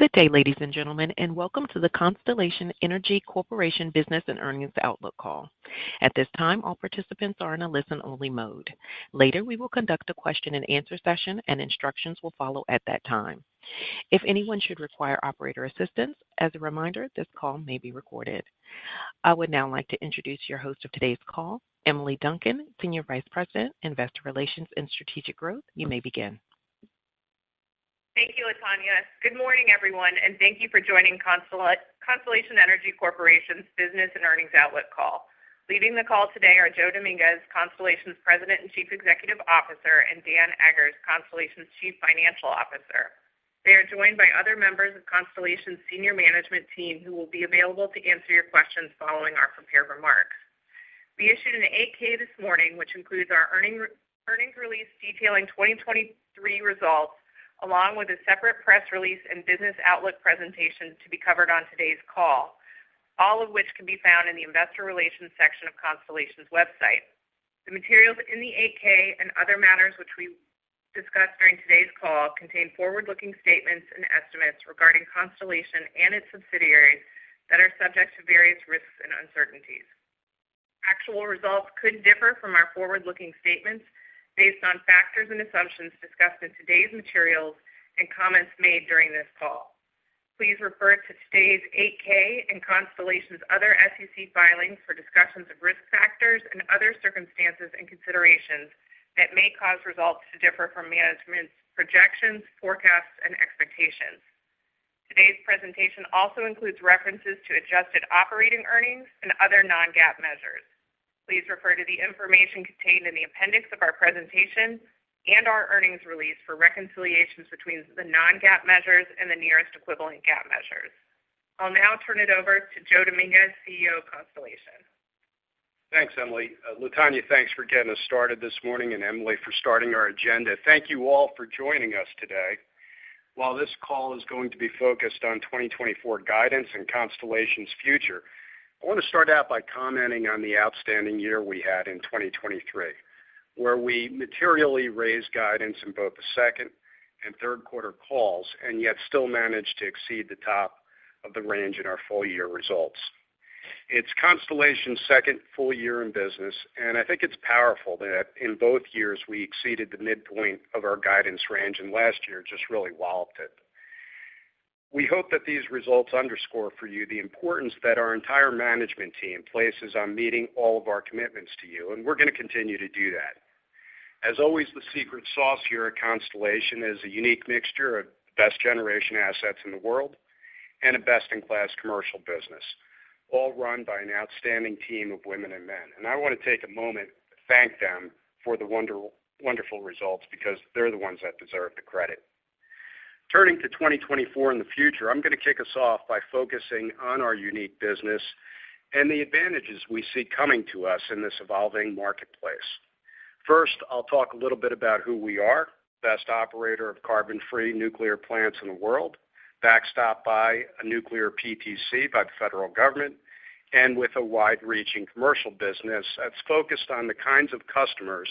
Good day, ladies and gentlemen, and welcome to the Constellation Energy Corporation Business and Earnings Outlook call. At this time, all participants are in a listen-only mode. Later, we will conduct a Q&A session, and instructions will follow at that time. If anyone should require operator assistance, as a reminder, this call may be recorded. I would now like to introduce your host of today's call, Emily Duncan, Senior Vice President, Investor Relations and Strategic Growth. You may begin. Thank you, Latania. Good morning, everyone, and thank you for joining Constellation Energy Corporation's Business and Earnings Outlook call. Leading the call today are Joe Dominguez, Constellation's President and Chief Executive Officer, and Dan Eggers, Constellation's Chief Financial Officer. They are joined by other members of Constellation's Senior Management Team who will be available to answer your questions following our prepared remarks. We issued an 8-K this morning, which includes our earnings release detailing 2023 results, along with a separate press release and business outlook presentation to be covered on today's call, all of which can be found in the Investor Relations section of Constellation's website. The materials in the 8-K and other matters which we discussed during today's call contain forward-looking statements and estimates regarding Constellation and its subsidiaries that are subject to various risks and uncertainties. Actual results could differ from our forward-looking statements based on factors and assumptions discussed in today's materials and comments made during this call. Please refer to today's 8-K and Constellation's other SEC filings for discussions of risk factors and other circumstances and considerations that may cause results to differ from management's projections, forecasts, and expectations. Today's presentation also includes references to adjusted operating earnings and other non-GAAP measures. Please refer to the information contained in the appendix of our presentation and our earnings release for reconciliations between the non-GAAP measures and the nearest equivalent GAAP measures. I'll now turn it over to Joe Dominguez, CEO of Constellation. Thanks, Emily. Latania, thanks for getting us started this morning, and Emily, for starting our agenda. Thank you all for joining us today. While this call is going to be focused on 2024 guidance and Constellation's future, I want to start out by commenting on the outstanding year we had in 2023, where we materially raised guidance in both the second and third quarter calls and yet still managed to exceed the top of the range in our full-year results. It's Constellation's second full year in business, and I think it's powerful that in both years we exceeded the midpoint of our guidance range and last year just really walloped it. We hope that these results underscore for you the importance that our entire management team places on meeting all of our commitments to you, and we're going to continue to do that. As always, the secret sauce here at Constellation is a unique mixture of best-generation assets in the world and a best-in-class commercial business, all run by an outstanding team of women and men. I want to take a moment to thank them for the wonderful results because they're the ones that deserve the credit. Turning to 2024 and the future, I'm going to kick us off by focusing on our unique business and the advantages we see coming to us in this evolving marketplace. First, I'll talk a little bit about who we are: best operator of carbon-free nuclear plants in the world, backstopped by a Nuclear PTC by the federal government, and with a wide-reaching commercial business that's focused on the kinds of customers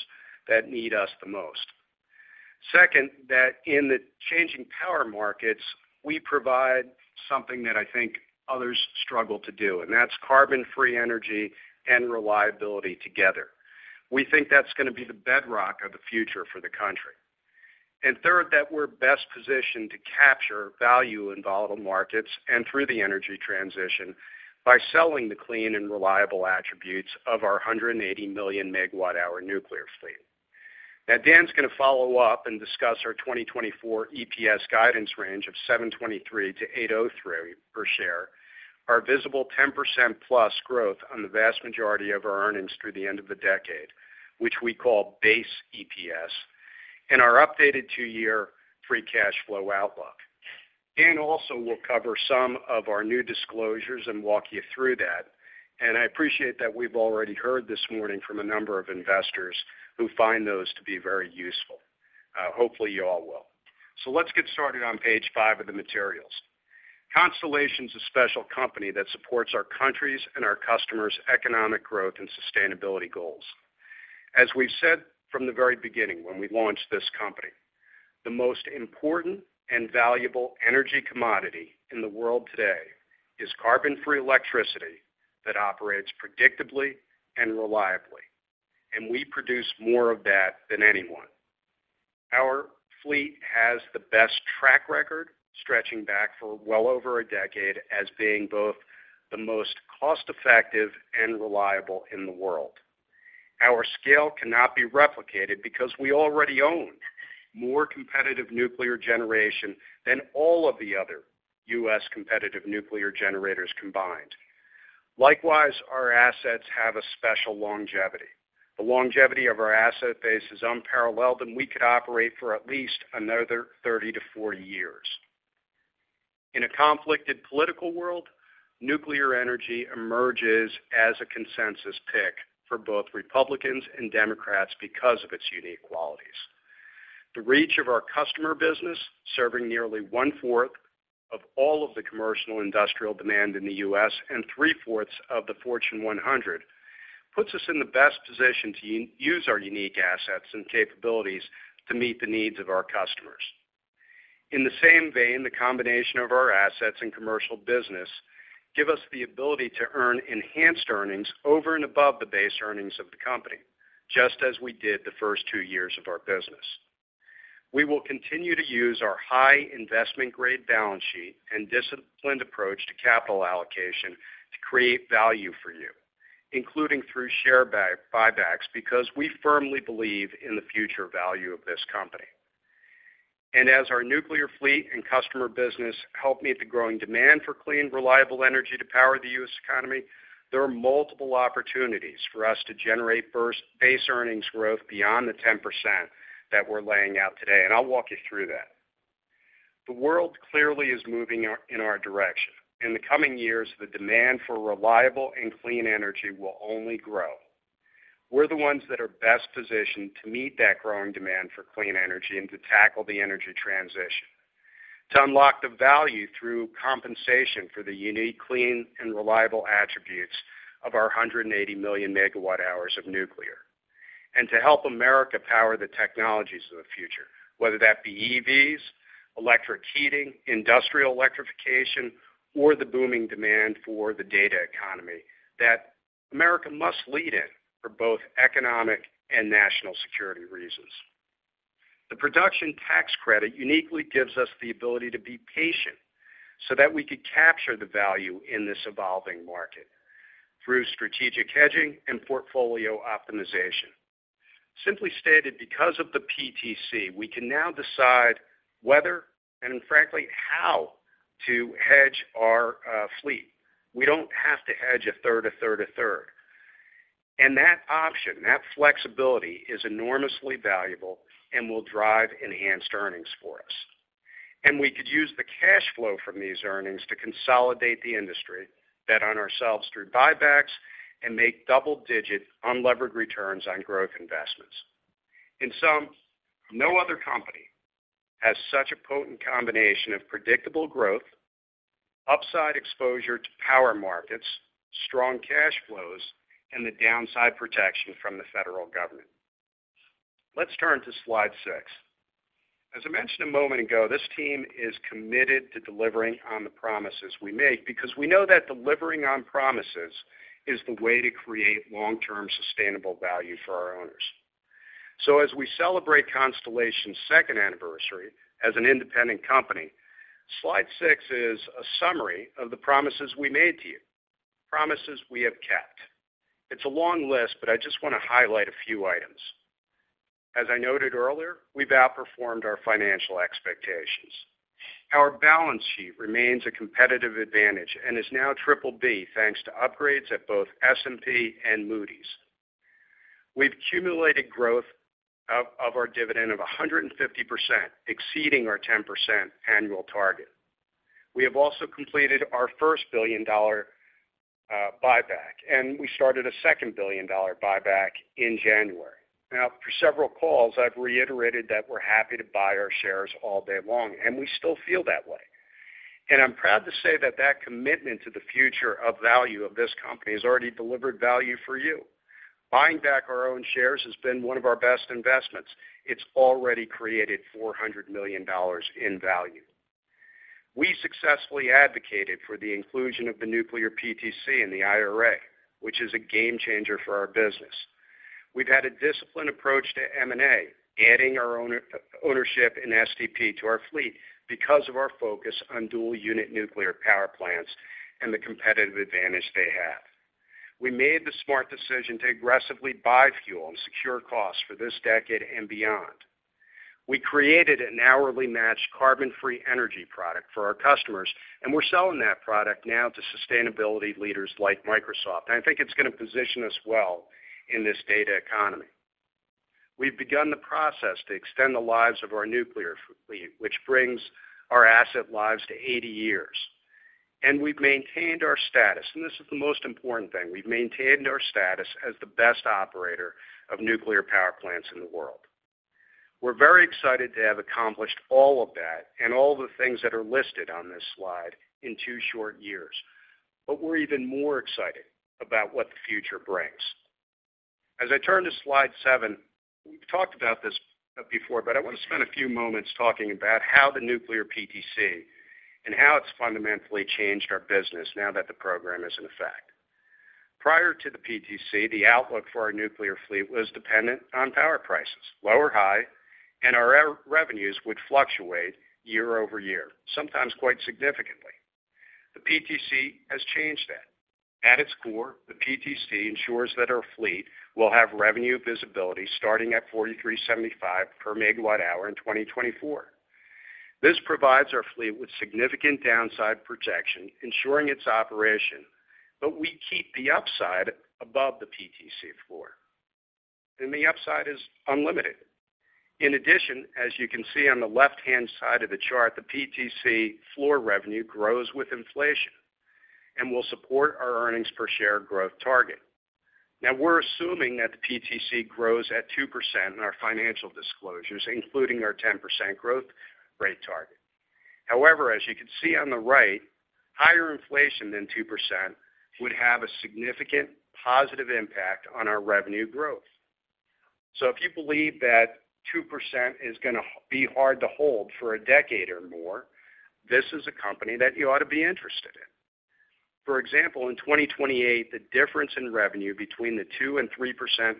that need us the most. Second, that in the changing power markets, we provide something that I think others struggle to do, and that's carbon-free energy and reliability together. We think that's going to be the bedrock of the future for the country. And third, that we're best positioned to capture value in volatile markets and through the energy transition by selling the clean and reliable attributes of our 180 million MWh nuclear fleet. Now, Dan's going to follow up and discuss our 2024 EPS guidance range of $7.23-$8.03 per share, our visible 10%+ growth on the vast majority of our earnings through the end of the decade, which we call Base EPS, and our updated two-year free cash flow outlook. Dan also will cover some of our new disclosures and walk you through that, and I appreciate that we've already heard this morning from a number of investors who find those to be very useful. Hopefully, you all will. Let's get started on page five. of the materials. Constellation's a special company that supports our country's and our customers' economic growth and sustainability goals. As we've said from the very beginning when we launched this company, the most important and valuable energy commodity in the world today is carbon-free electricity that operates predictably and reliably, and we produce more of that than anyone. Our fleet has the best track record, stretching back for well over a decade, as being both the most cost-effective and reliable in the world. Our scale cannot be replicated because we already own more competitive nuclear generation than all of the other U.S. competitive nuclear generators combined. Likewise, our assets have a special longevity. The longevity of our asset base is unparalleled, and we could operate for at least another 30-40 years. In a conflicted political world, nuclear energy emerges as a consensus pick for both Republicans and Democrats because of its unique qualities. The reach of our customer business, serving nearly 1/4 of all of the commercial industrial demand in the U.S. and 3/4 of the Fortune 100, puts us in the best position to use our unique assets and capabilities to meet the needs of our customers. In the same vein, the combination of our assets and commercial business gives us the ability to earn Enhanced Earnings over and above the Base Earnings of the company, just as we did the first two years of our business. We will continue to use our high-investment-grade balance sheet and disciplined approach to capital allocation to create value for you, including through share buybacks, because we firmly believe in the future value of this company. And as our nuclear fleet and customer business help meet the growing demand for clean, reliable energy to power the U.S. economy, there are multiple opportunities for us to generate Base Earnings growth beyond the 10% that we're laying out today, and I'll walk you through that. The world clearly is moving in our direction. In the coming years, the demand for reliable and clean energy will only grow. We're the ones that are best positioned to meet that growing demand for clean energy and to tackle the energy transition, to unlock the value through compensation for the unique clean and reliable attributes of our 180 million MWh of nuclear, and to help America power the technologies of the future, whether that be EVs, electric heating, industrial electrification, or the booming demand for the data economy that America must lead in for both economic and national security reasons. The production tax credit uniquely gives us the ability to be patient so that we could capture the value in this evolving market through strategic hedging and portfolio optimization. Simply stated, because of the PTC, we can now decide whether and, frankly, how to hedge our fleet. We don't have to hedge a third, a third, a third. And that option, that flexibility, is enormously valuable and will drive Enhanced Earnings for us. And we could use the cash flow from these earnings to consolidate the industry bet on ourselves through buybacks and make double-digit unlevered returns on growth investments. In sum, no other company has such a potent combination of predictable growth, upside exposure to power markets, strong cash flows, and the downside protection from the federal government. Let's turn to slide six. As I mentioned a moment ago, this team is committed to delivering on the promises we make because we know that delivering on promises is the way to create long-term sustainable value for our owners. So as we celebrate Constellation's second anniversary as an independent company, slide six is a summary of the promises we made to you, promises we have kept. It's a long list, but I just want to highlight a few items. As I noted earlier, we've outperformed our financial expectations. Our balance sheet remains a competitive advantage and is now BBB thanks to upgrades at both S&P and Moody's. We've accumulated growth of our dividend of 150%, exceeding our 10% annual target. We have also completed our first billion-dollar buyback, and we started a second billion-dollar buyback in January. Now, for several calls, I've reiterated that we're happy to buy our shares all day long, and we still feel that way. I'm proud to say that that commitment to the future of value of this company has already delivered value for you. Buying back our own shares has been one of our best investments. It's already created $400 million in value. We successfully advocated for the inclusion of the Nuclear PTC in the IRA, which is a game-changer for our business. We've had a disciplined approach to M&A, adding our ownership in STP to our fleet because of our focus on dual-unit nuclear power plants and the competitive advantage they have. We made the smart decision to aggressively buy fuel and secure costs for this decade and beyond. We created an hourly matched carbon-free energy product for our customers, and we're selling that product now to sustainability leaders like Microsoft. I think it's going to position us well in this data economy. We've begun the process to extend the lives of our nuclear fleet, which brings our asset lives to 80 years. We've maintained our status, and this is the most important thing: we've maintained our status as the best operator of nuclear power plants in the world. We're very excited to have accomplished all of that and all the things that are listed on this slide in two short years. But we're even more excited about what the future brings. As I turn to slide seven, we've talked about this before, but I want to spend a few moments talking about how the Nuclear PTC and how it's fundamentally changed our business now that the program is in effect. Prior to the PTC, the outlook for our nuclear fleet was dependent on power prices, low or high, and our revenues would fluctuate year-over-year, sometimes quite significantly. The PTC has changed that. At its core, the PTC ensures that our fleet will have revenue visibility starting at 43.75 per MWh in 2024. This provides our fleet with significant downside protection, ensuring its operation, but we keep the upside above the PTC floor. The upside is unlimited. In addition, as you can see on the left-hand side of the chart, the PTC floor revenue grows with inflation and will support our earnings per share growth target. Now, we're assuming that the PTC grows at 2% in our financial disclosures, including our 10% growth rate target. However, as you can see on the right, higher inflation than 2% would have a significant positive impact on our revenue growth. So if you believe that 2% is going to be hard to hold for a decade or more, this is a company that you ought to be interested in. For example, in 2028, the difference in revenue between the 2% and 3%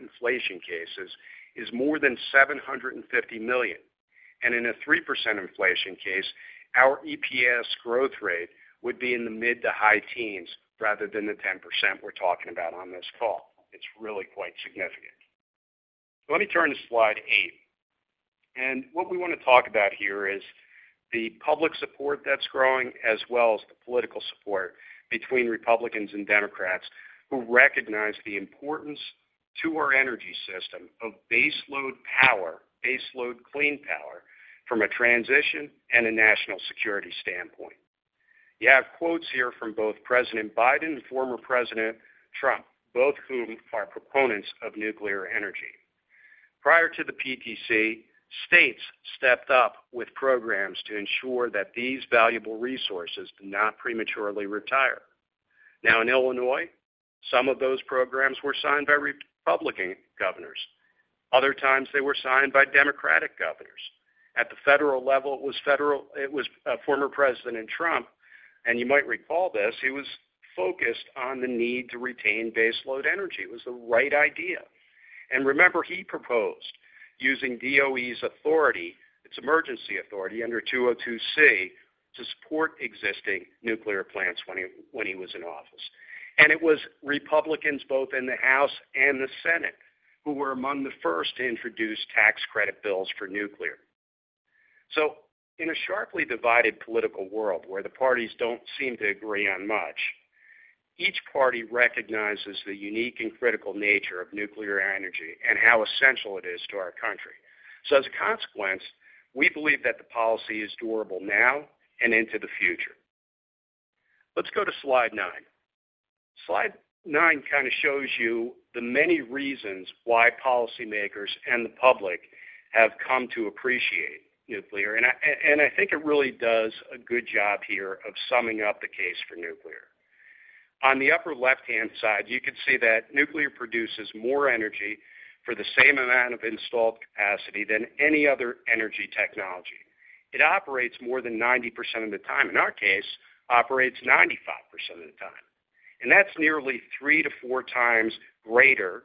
inflation cases is more than $750 million. In a 3% inflation case, our EPS growth rate would be in the mid- to high-teens rather than the 10% we're talking about on this call. It's really quite significant. Let me turn to slide eight. What we want to talk about here is the public support that's growing, as well as the political support between Republicans and Democrats who recognize the importance to our energy system of baseload power, baseload clean power, from a transition and a national security standpoint. You have quotes here from both President Biden and former President Trump, both whom are proponents of nuclear energy. Prior to the PTC, states stepped up with programs to ensure that these valuable resources do not prematurely retire. Now, in Illinois, some of those programs were signed by Republican governors. Other times, they were signed by Democratic governors. At the federal level, it was former President Trump. You might recall this. He was focused on the need to retain baseload energy. It was the right idea. Remember, he proposed using DOE's authority, its emergency authority under 202(c), to support existing nuclear plants when he was in office. It was Republicans, both in the House and the Senate, who were among the first to introduce tax credit bills for nuclear. In a sharply divided political world where the parties don't seem to agree on much, each party recognizes the unique and critical nature of nuclear energy and how essential it is to our country. As a consequence, we believe that the policy is durable now and into the future. Let's go to slide nine. Slide nine kind of shows you the many reasons why policymakers and the public have come to appreciate nuclear. And I think it really does a good job here of summing up the case for nuclear. On the upper left-hand side, you can see that nuclear produces more energy for the same amount of installed capacity than any other energy technology. It operates more than 90% of the time. In our case, operates 95% of the time. And that's nearly three to four times greater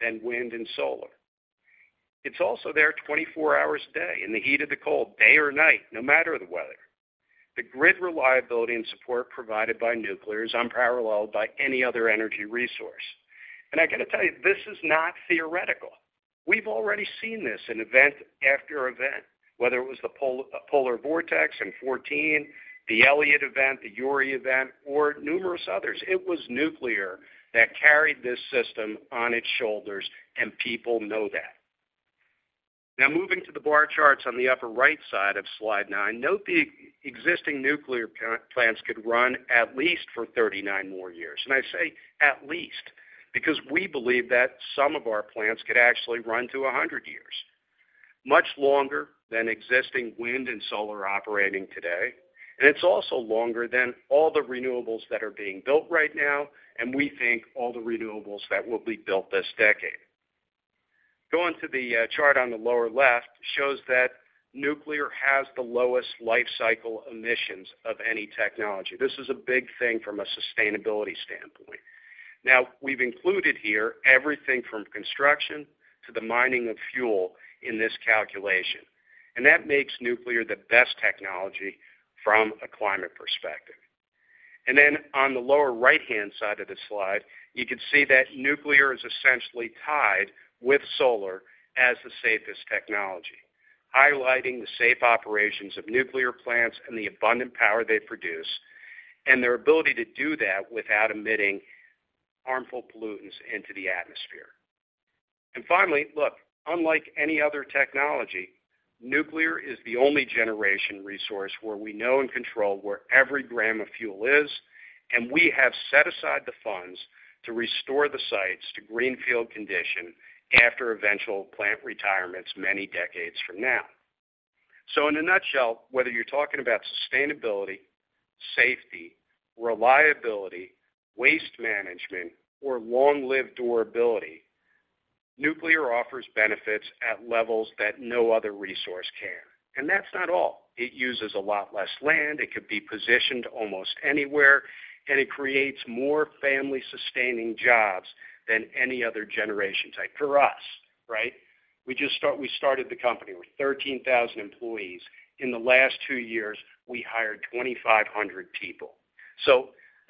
than wind and solar. It's also there 24 hours a day, in the heat or the cold, day or night, no matter the weather. The grid reliability and support provided by nuclear is unparalleled by any other energy resource. And I got to tell you, this is not theoretical. We've already seen this in event after event, whether it was the Polar Vortex in 2014, the Elliott event, the Uri event, or numerous others. It was nuclear that carried this system on its shoulders, and people know that. Now, moving to the bar charts on the upper right side of slide nine, note the existing nuclear plants could run at least for 39 more years. I say at least because we believe that some of our plants could actually run to 100 years, much longer than existing wind and solar operating today. It's also longer than all the renewables that are being built right now, and we think all the renewables that will be built this decade. Going to the chart on the lower left shows that nuclear has the lowest life cycle emissions of any technology. This is a big thing from a sustainability standpoint. Now, we've included here everything from construction to the mining of fuel in this calculation. That makes nuclear the best technology from a climate perspective. And then on the lower right-hand side of the slide, you can see that nuclear is essentially tied with solar as the safest technology, highlighting the safe operations of nuclear plants and the abundant power they produce and their ability to do that without emitting harmful pollutants into the atmosphere. And finally, look, unlike any other technology, nuclear is the only generation resource where we know and control where every gram of fuel is. And we have set aside the funds to restore the sites to greenfield condition after eventual plant retirements many decades from now. So in a nutshell, whether you're talking about sustainability, safety, reliability, waste management, or long-lived durability, nuclear offers benefits at levels that no other resource can. And that's not all. It uses a lot less land. It could be positioned almost anywhere. And it creates more family-sustaining jobs than any other generation type. For us, right? We started the company with 13,000 employees. In the last two years, we hired 2,500 people.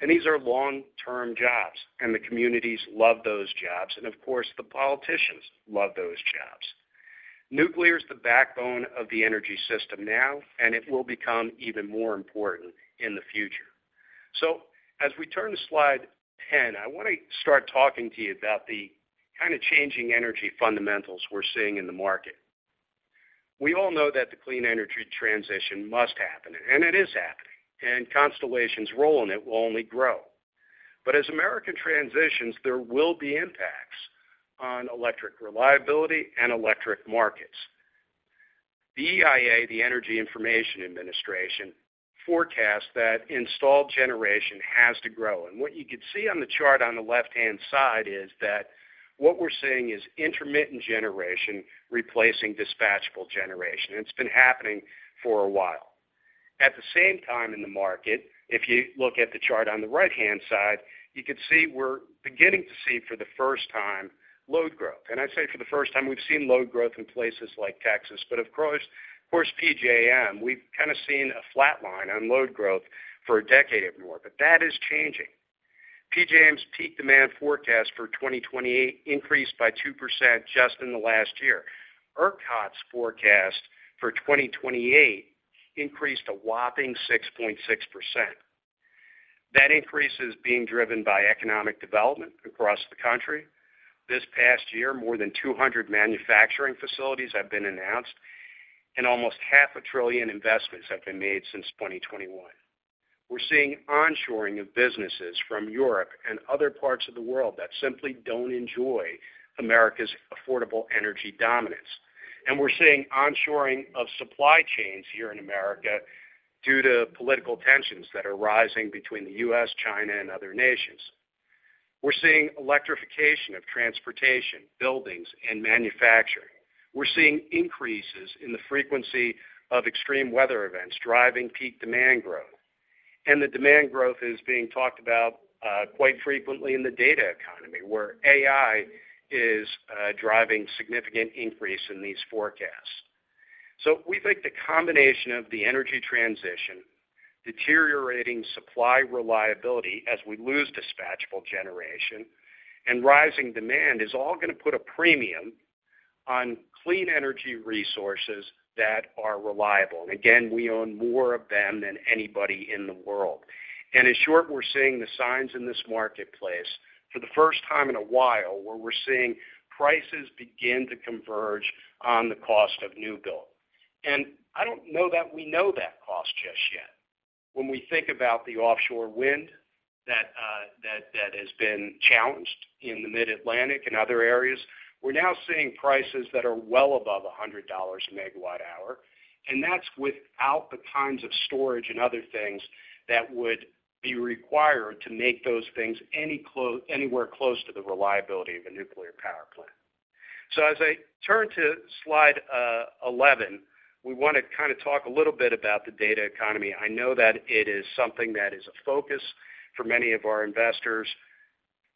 These are long-term jobs, and the communities love those jobs. Of course, the politicians love those jobs. Nuclear is the backbone of the energy system now, and it will become even more important in the future. As we turn to slide 10, I want to start talking to you about the kind of changing energy fundamentals we're seeing in the market. We all know that the clean energy transition must happen, and it is happening. Constellation's role in it will only grow. But as America transitions, there will be impacts on electric reliability and electric markets. The EIA, the Energy Information Administration, forecasts that installed generation has to grow. What you could see on the chart on the left-hand side is that what we're seeing is intermittent generation replacing dispatchable generation. It's been happening for a while. At the same time in the market, if you look at the chart on the right-hand side, you could see we're beginning to see for the first time load growth. I say for the first time. We've seen load growth in places like Texas. Of course, PJM, we've kind of seen a flat line on load growth for a decade or more. That is changing. PJM's peak demand forecast for 2028 increased by 2% just in the last year. ERCOT's forecast for 2028 increased a whopping 6.6%. That increase is being driven by economic development across the country. This past year, more than 200 manufacturing facilities have been announced, and almost $0.5 trillion investments have been made since 2021. We're seeing onshoring of businesses from Europe and other parts of the world that simply don't enjoy America's affordable energy dominance. We're seeing onshoring of supply chains here in America due to political tensions that are rising between the U.S., China, and other nations. We're seeing electrification of transportation, buildings, and manufacturing. We're seeing increases in the frequency of extreme weather events driving peak demand growth. The demand growth is being talked about quite frequently in the data economy, where AI is driving significant increase in these forecasts. We think the combination of the energy transition, deteriorating supply reliability as we lose dispatchable generation, and rising demand is all going to put a premium on clean energy resources that are reliable. And again, we own more of them than anybody in the world. And in short, we're seeing the signs in this marketplace for the first time in a while where we're seeing prices begin to converge on the cost of new build. And I don't know that we know that cost just yet. When we think about the offshore wind that has been challenged in the Mid-Atlantic and other areas, we're now seeing prices that are well above $100/MWh. And that's without the kinds of storage and other things that would be required to make those things anywhere close to the reliability of a nuclear power plant. So as I turn to slide 11, we want to kind of talk a little bit about the data economy. I know that it is something that is a focus for many of our investors.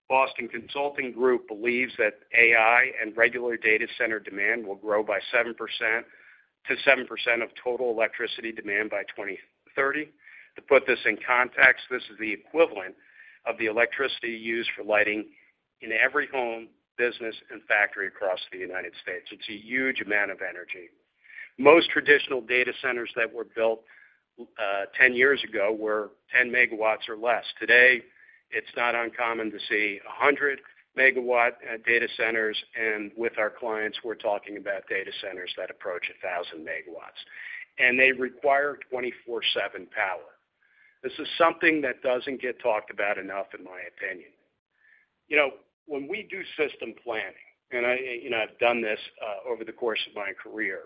Boston Consulting Group believes that AI and regular data center demand will grow by 7% to 7% of total electricity demand by 2030. To put this in context, this is the equivalent of the electricity used for lighting in every home, business, and factory across the United States. It's a huge amount of energy. Most traditional data centers that were built 10 years ago were 10 MW or less. Today, it's not uncommon to see 100-MW data centers. And with our clients, we're talking about data centers that approach 1,000 MW. And they require 24/7 power. This is something that doesn't get talked about enough, in my opinion. When we do system planning, and I've done this over the course of my career,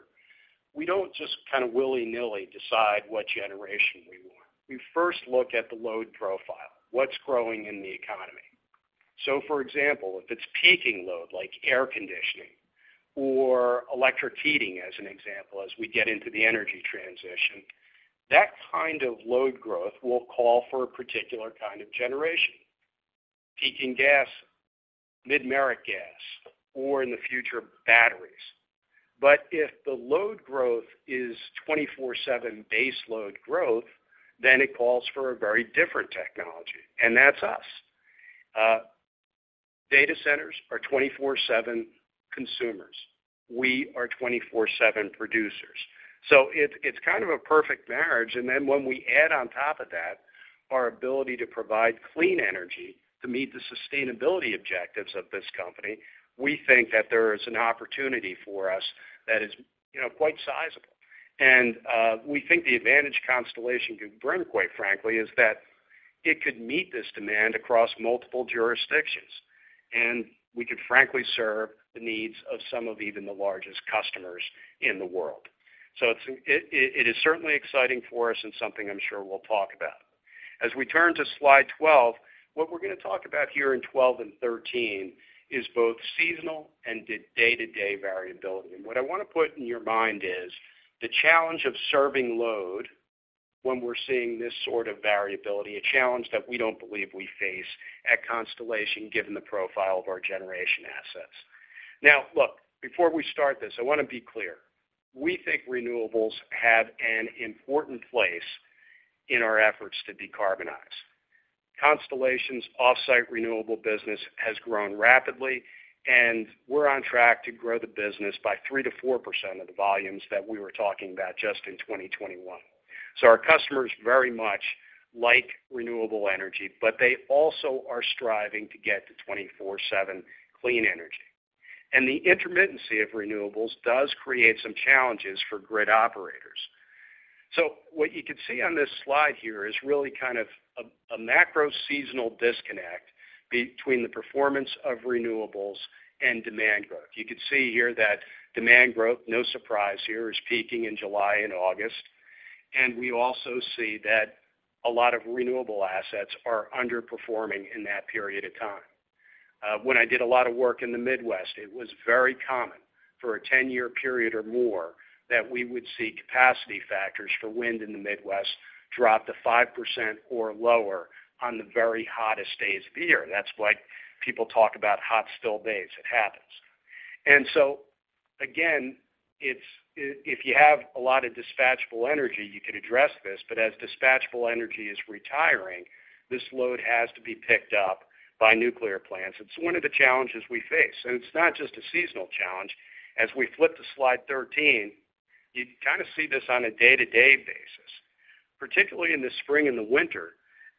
we don't just kind of willy-nilly decide what generation we want. We first look at the load profile, what's growing in the economy. So for example, if it's peaking load, like air conditioning or electric heating, as an example, as we get into the energy transition, that kind of load growth will call for a particular kind of generation: peaking gas, mid-merit gas, or in the future, batteries. But if the load growth is 24/7 baseload growth, then it calls for a very different technology. And that's us. Data centers are 24/7 consumers. We are 24/7 producers. So it's kind of a perfect marriage. And then when we add on top of that our ability to provide clean energy to meet the sustainability objectives of this company, we think that there is an opportunity for us that is quite sizable. And we think the advantage Constellation could bring, quite frankly, is that it could meet this demand across multiple jurisdictions. We could frankly serve the needs of some of even the largest customers in the world. It is certainly exciting for us and something I'm sure we'll talk about. As we turn to slide 12, what we're going to talk about here in 12 and 13 is both seasonal and day-to-day variability. What I want to put in your mind is the challenge of serving load when we're seeing this sort of variability, a challenge that we don't believe we face at Constellation given the profile of our generation assets. Now, look, before we start this, I want to be clear. We think renewables have an important place in our efforts to decarbonize. Constellation's offsite renewable business has grown rapidly, and we're on track to grow the business by 3%-4% of the volumes that we were talking about just in 2021. So our customers very much like renewable energy, but they also are striving to get to 24/7 clean energy. And the intermittency of renewables does create some challenges for grid operators. So what you could see on this slide here is really kind of a macro-seasonal disconnect between the performance of renewables and demand growth. You could see here that demand growth, no surprise here, is peaking in July and August. And we also see that a lot of renewable assets are underperforming in that period of time. When I did a lot of work in the Midwest, it was very common for a 10-year period or more that we would see capacity factors for wind in the Midwest drop to 5% or lower on the very hottest days of the year. That's why people talk about hot still days. It happens. So again, if you have a lot of dispatchable energy, you could address this. But as dispatchable energy is retiring, this load has to be picked up by nuclear plants. It's one of the challenges we face. It's not just a seasonal challenge. As we flip to slide 13, you kind of see this on a day-to-day basis. Particularly in the spring and the winter,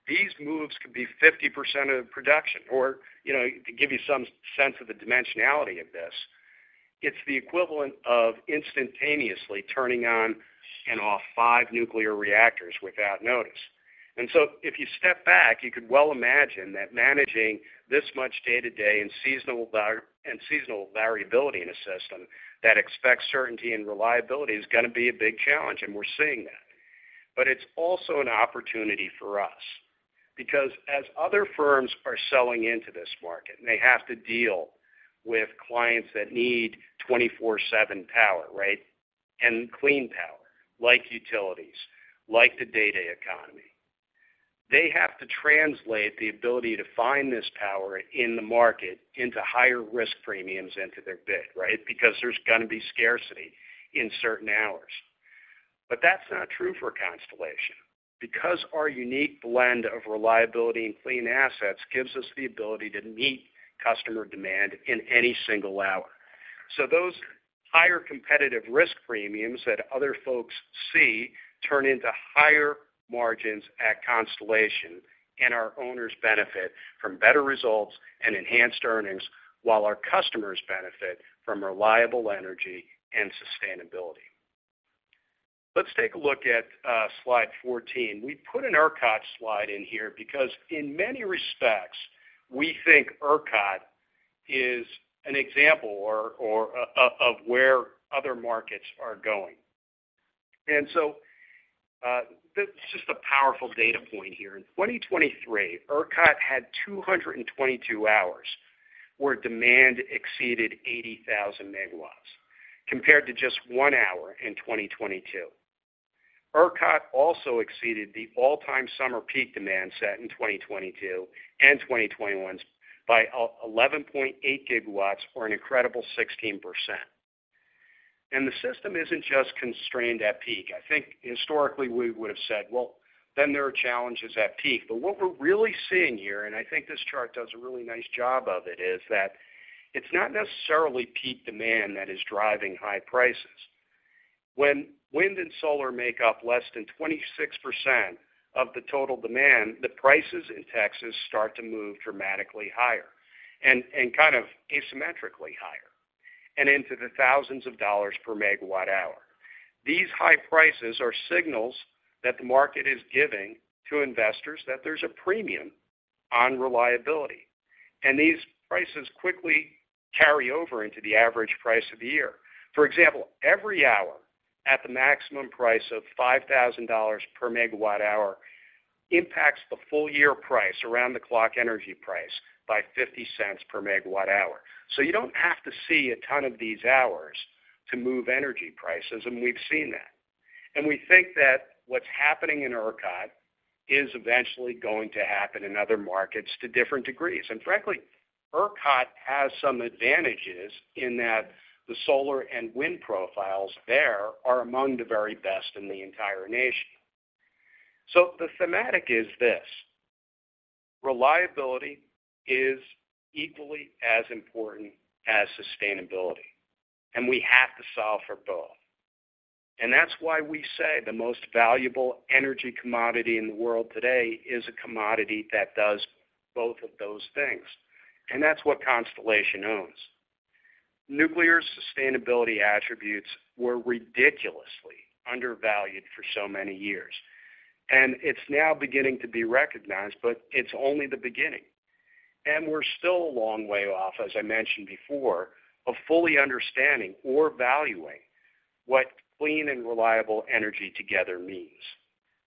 these moves could be 50% of production. Or to give you some sense of the dimensionality of this, it's the equivalent of instantaneously turning on and off five nuclear reactors without notice. So if you step back, you could well imagine that managing this much day-to-day and seasonal variability in a system that expects certainty and reliability is going to be a big challenge. We're seeing that. But it's also an opportunity for us because as other firms are selling into this market, and they have to deal with clients that need 24/7 power, right, and clean power like utilities, like the day-to-day economy, they have to translate the ability to find this power in the market into higher risk premiums into their bid, right, because there's going to be scarcity in certain hours. But that's not true for Constellation because our unique blend of reliability and clean assets gives us the ability to meet customer demand in any single hour. So those higher competitive risk premiums that other folks see turn into higher margins at Constellation, and our owners benefit from better results and Enhanced Earnings while our customers benefit from reliable energy and sustainability. Let's take a look at slide 14. We put an ERCOT slide in here because in many respects, we think ERCOT is an example of where other markets are going. And so this is just a powerful data point here. In 2023, ERCOT had 222 hours where demand exceeded 80,000 MW compared to just 1 hour in 2022. ERCOT also exceeded the all-time summer peak demand set in 2022 and 2021 by 11.8 gigawatts or an incredible 16%. And the system isn't just constrained at peak. I think historically, we would have said, "Well, then there are challenges at peak." But what we're really seeing here, and I think this chart does a really nice job of it, is that it's not necessarily peak demand that is driving high prices. When wind and solar make up less than 26% of the total demand, the prices in Texas start to move dramatically higher and kind of asymmetrically higher and into the thousands of dollars per megawatt-hour. These high prices are signals that the market is giving to investors that there's a premium on reliability. These prices quickly carry over into the average price of the year. For example, every hour at the maximum price of $5,000 per MWh impacts the full-year price, around-the-clock energy price, by $0.50 per MWh. So you don't have to see a ton of these hours to move energy prices. And we've seen that. And we think that what's happening in ERCOT is eventually going to happen in other markets to different degrees. And frankly, ERCOT has some advantages in that the solar and wind profiles there are among the very best in the entire nation. So the thematic is this: reliability is equally as important as sustainability. And we have to solve for both. And that's why we say the most valuable energy commodity in the world today is a commodity that does both of those things. And that's what Constellation owns. Nuclear sustainability attributes were ridiculously undervalued for so many years. And it's now beginning to be recognized, but it's only the beginning. And we're still a long way off, as I mentioned before, of fully understanding or valuing what clean and reliable energy together means.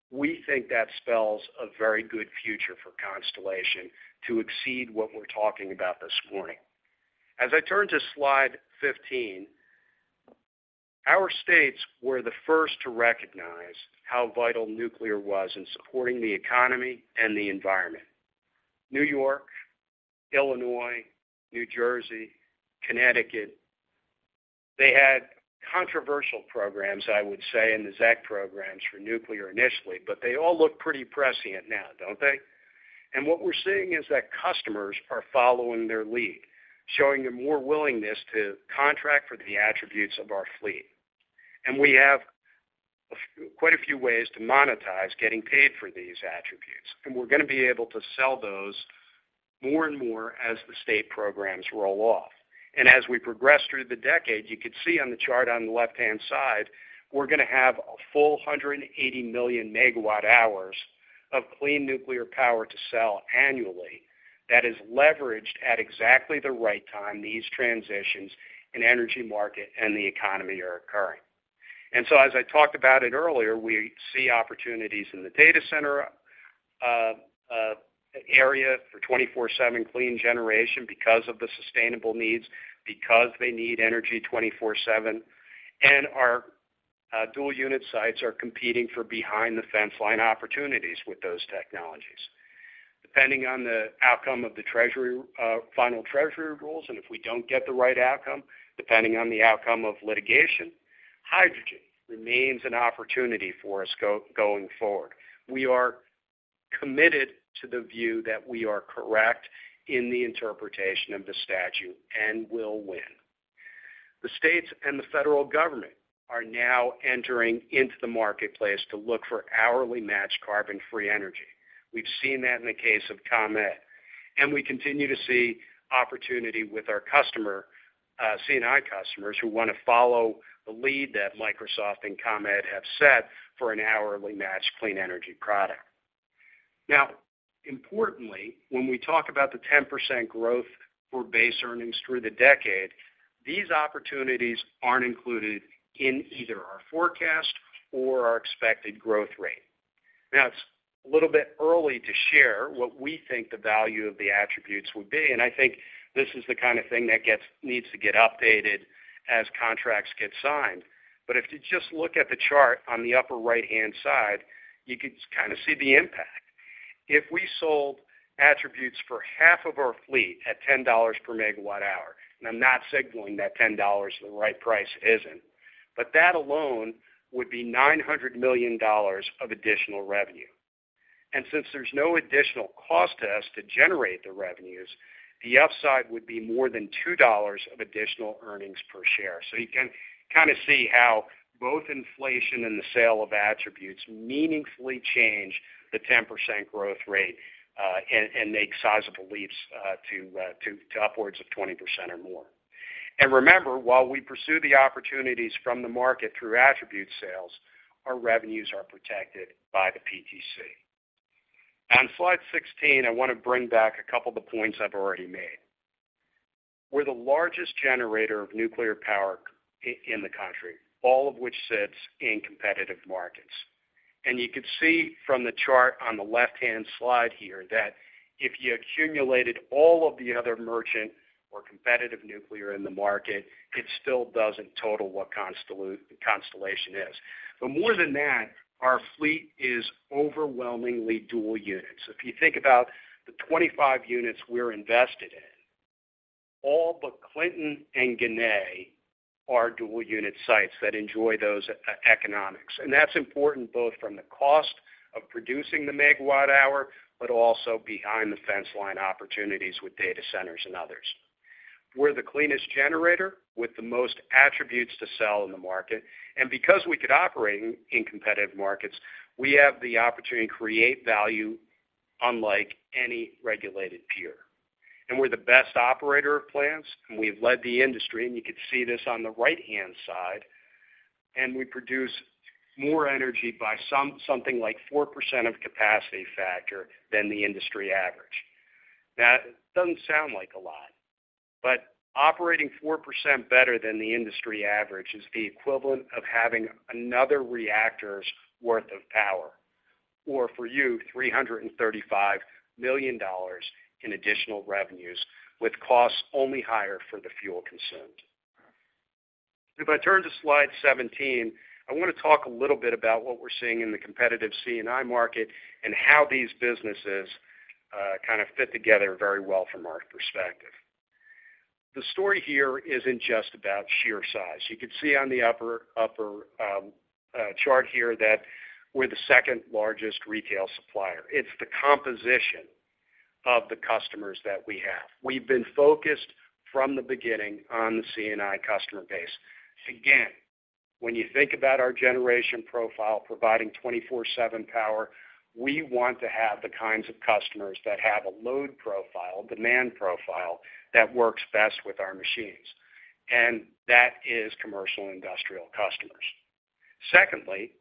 We think that spells a very good future for Constellation to exceed what we're talking about this morning. As I turn to slide 15, our states were the first to recognize how vital nuclear was in supporting the economy and the environment: New York, Illinois, New Jersey, Connecticut. They had controversial programs, I would say, in the ZEC programs for nuclear initially. But they all look pretty prescient now, don't they? And what we're seeing is that customers are following their lead, showing them more willingness to contract for the attributes of our fleet. And we have quite a few ways to monetize getting paid for these attributes. And we're going to be able to sell those more and more as the state programs roll off. As we progress through the decade, you could see on the chart on the left-hand side, we're going to have a full 180 million MWh of clean nuclear power to sell annually that is leveraged at exactly the right time these transitions in energy market and the economy are occurring. So as I talked about it earlier, we see opportunities in the data center area for 24/7 clean generation because of the sustainable needs, because they need energy 24/7. Our dual-unit sites are competing for behind-the-fence line opportunities with those technologies, depending on the outcome of the final Treasury rules and if we don't get the right outcome, depending on the outcome of litigation. Hydrogen remains an opportunity for us going forward. We are committed to the view that we are correct in the interpretation of the statute and will win. The states and the federal government are now entering into the marketplace to look for hourly-matched carbon-free energy. We've seen that in the case of ComEd. And we continue to see opportunity with our C&I customers who want to follow the lead that Microsoft and ComEd have set for an hourly-matched clean energy product. Now, importantly, when we talk about the 10% growth for Base Earnings through the decade, these opportunities aren't included in either our forecast or our expected growth rate. Now, it's a little bit early to share what we think the value of the attributes would be. And I think this is the kind of thing that needs to get updated as contracts get signed. But if you just look at the chart on the upper right-hand side, you could kind of see the impact. If we sold attributes for half of our fleet at $10 per MWh - and I'm not signaling that $10 is the right price, it isn't - but that alone would be $900 million of additional revenue. And since there's no additional cost to us to generate the revenues, the upside would be more than $2 of additional earnings per share. So you can kind of see how both inflation and the sale of attributes meaningfully change the 10% growth rate and make sizable leaps to upwards of 20% or more. And remember, while we pursue the opportunities from the market through attribute sales, our revenues are protected by the PTC. On slide 16, I want to bring back a couple of the points I've already made. We're the largest generator of nuclear power in the country, all of which sits in competitive markets. And you could see from the chart on the left-hand slide here that if you accumulated all of the other merchant or competitive nuclear in the market, it still doesn't total what Constellation is. But more than that, our fleet is overwhelmingly dual-units. If you think about the 25 units we're invested in, all but Clinton and Ginna are dual-unit sites that enjoy those economics. And that's important both from the cost of producing the megawatt-hour but also behind-the-fence line opportunities with data centers and others. We're the cleanest generator with the most attributes to sell in the market. And because we could operate in competitive markets, we have the opportunity to create value unlike any regulated peer. And we're the best operator of plants. And we've led the industry. And you could see this on the right-hand side. We produce more energy by something like 4% of capacity factor than the industry average. Now, it doesn't sound like a lot. But operating 4% better than the industry average is the equivalent of having another reactor's worth of power or, for you, $335 million in additional revenues with costs only higher for the fuel consumed. If I turn to slide 17, I want to talk a little bit about what we're seeing in the competitive C&I market and how these businesses kind of fit together very well from our perspective. The story here isn't just about sheer size. You could see on the upper chart here that we're the second-largest retail supplier. It's the composition of the customers that we have. We've been focused from the beginning on the C&I customer base. Again, when you think about our generation profile providing 24/7 power, we want to have the kinds of customers that have a load profile, demand profile that works best with our machines. That is commercial and industrial customers. Secondly,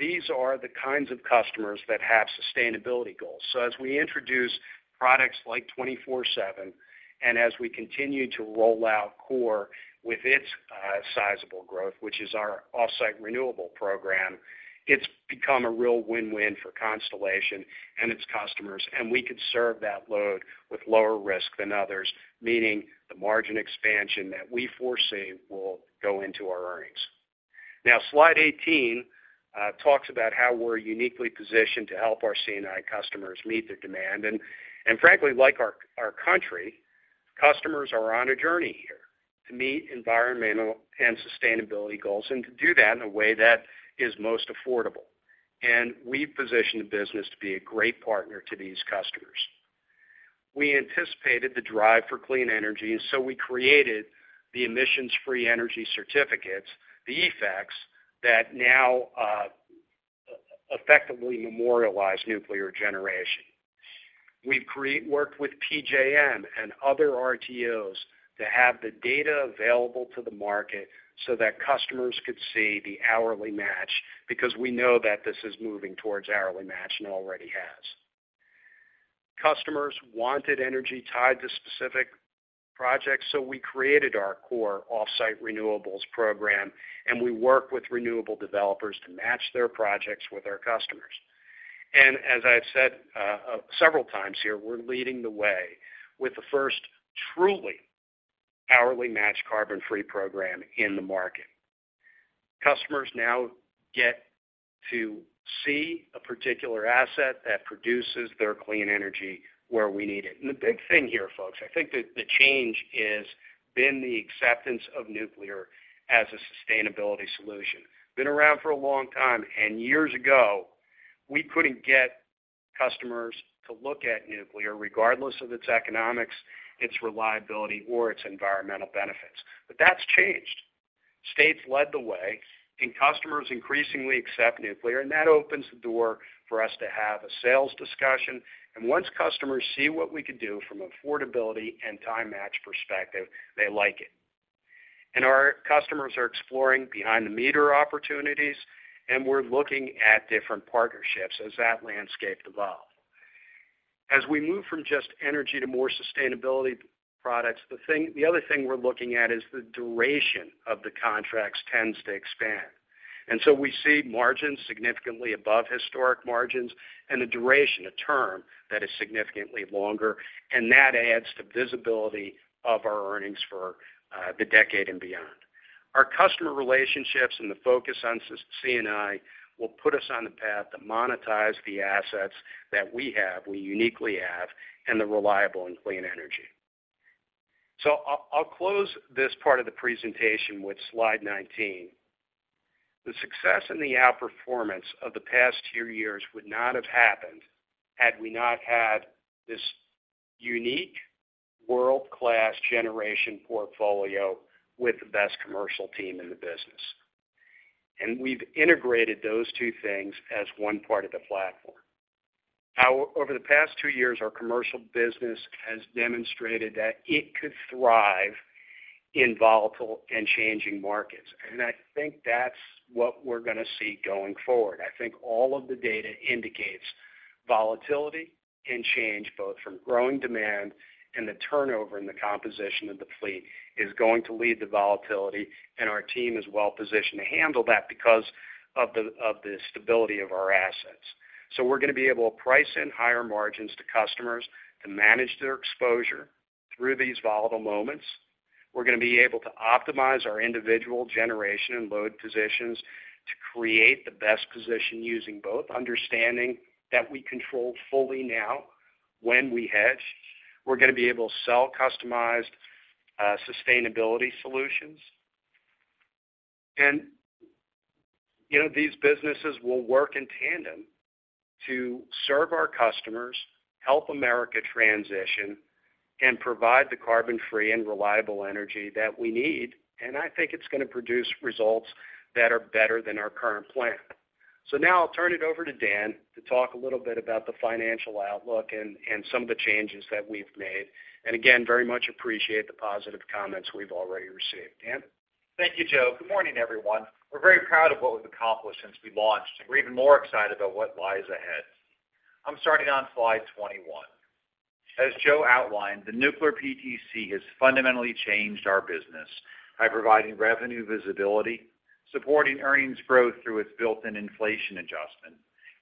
these are the kinds of customers that have sustainability goals. As we introduce products like 24/7 and as we continue to roll out CORe with its sizable growth, which is our offsite renewable program, it's become a real win-win for Constellation and its customers. We could serve that load with lower risk than others, meaning the margin expansion that we foresee will go into our earnings. Now, slide 18 talks about how we're uniquely positioned to help our C&I customers meet their demand. And frankly, like our country, customers are on a journey here to meet environmental and sustainability goals and to do that in a way that is most affordable. We've positioned the business to be a great partner to these customers. We anticipated the drive for clean energy. So we created the Emissions-Free Energy Certificates, the EFECs, that now effectively memorialize nuclear generation. We've worked with PJM and other RTOs to have the data available to the market so that customers could see the hourly match because we know that this is moving towards hourly match and already has. Customers wanted energy tied to specific projects. So we created our CORe Offsite Renewables program. And as I've said several times here, we're leading the way with the first truly hourly-matched carbon-free program in the market. Customers now get to see a particular asset that produces their clean energy where we need it. The big thing here, folks, I think the change has been the acceptance of nuclear as a sustainability solution. Been around for a long time. Years ago, we couldn't get customers to look at nuclear regardless of its economics, its reliability, or its environmental benefits. But that's changed. States led the way. Customers increasingly accept nuclear. That opens the door for us to have a sales discussion. Once customers see what we could do from an affordability and time-match perspective, they like it. Our customers are exploring Behind-the-Meter opportunities. We're looking at different partnerships as that landscape evolves. As we move from just energy to more sustainability products, the other thing we're looking at is the duration of the contracts tends to expand. And so we see margins significantly above historic margins and the duration, a term that is significantly longer. And that adds to visibility of our earnings for the decade and beyond. Our customer relationships and the focus on C&I will put us on the path to monetize the assets that we have, we uniquely have, and the reliable and clean energy. So I'll close this part of the presentation with slide 19. The success and the outperformance of the past two years would not have happened had we not had this unique, world-class generation portfolio with the best commercial team in the business. And we've integrated those two things as one part of the platform. Over the past two years, our commercial business has demonstrated that it could thrive in volatile and changing markets. And I think that's what we're going to see going forward. I think all of the data indicates volatility and change both from growing demand and the turnover and the composition of the fleet is going to lead to volatility. Our team is well positioned to handle that because of the stability of our assets. We're going to be able to price in higher margins to customers to manage their exposure through these volatile moments. We're going to be able to optimize our individual generation and load positions to create the best position using both understanding that we control fully now when we hedge. We're going to be able to sell customized sustainability solutions. These businesses will work in tandem to serve our customers, help America transition, and provide the carbon-free and reliable energy that we need. I think it's going to produce results that are better than our current plan. So now I'll turn it over to Dan to talk a little bit about the financial outlook and some of the changes that we've made. Again, very much appreciate the positive comments we've already received. Dan? Thank you, Joe. Good morning, everyone. We're very proud of what we've accomplished since we launched. And we're even more excited about what lies ahead. I'm starting on slide 21. As Joe outlined, the Nuclear PTC has fundamentally changed our business by providing revenue visibility, supporting earnings growth through its built-in inflation adjustment,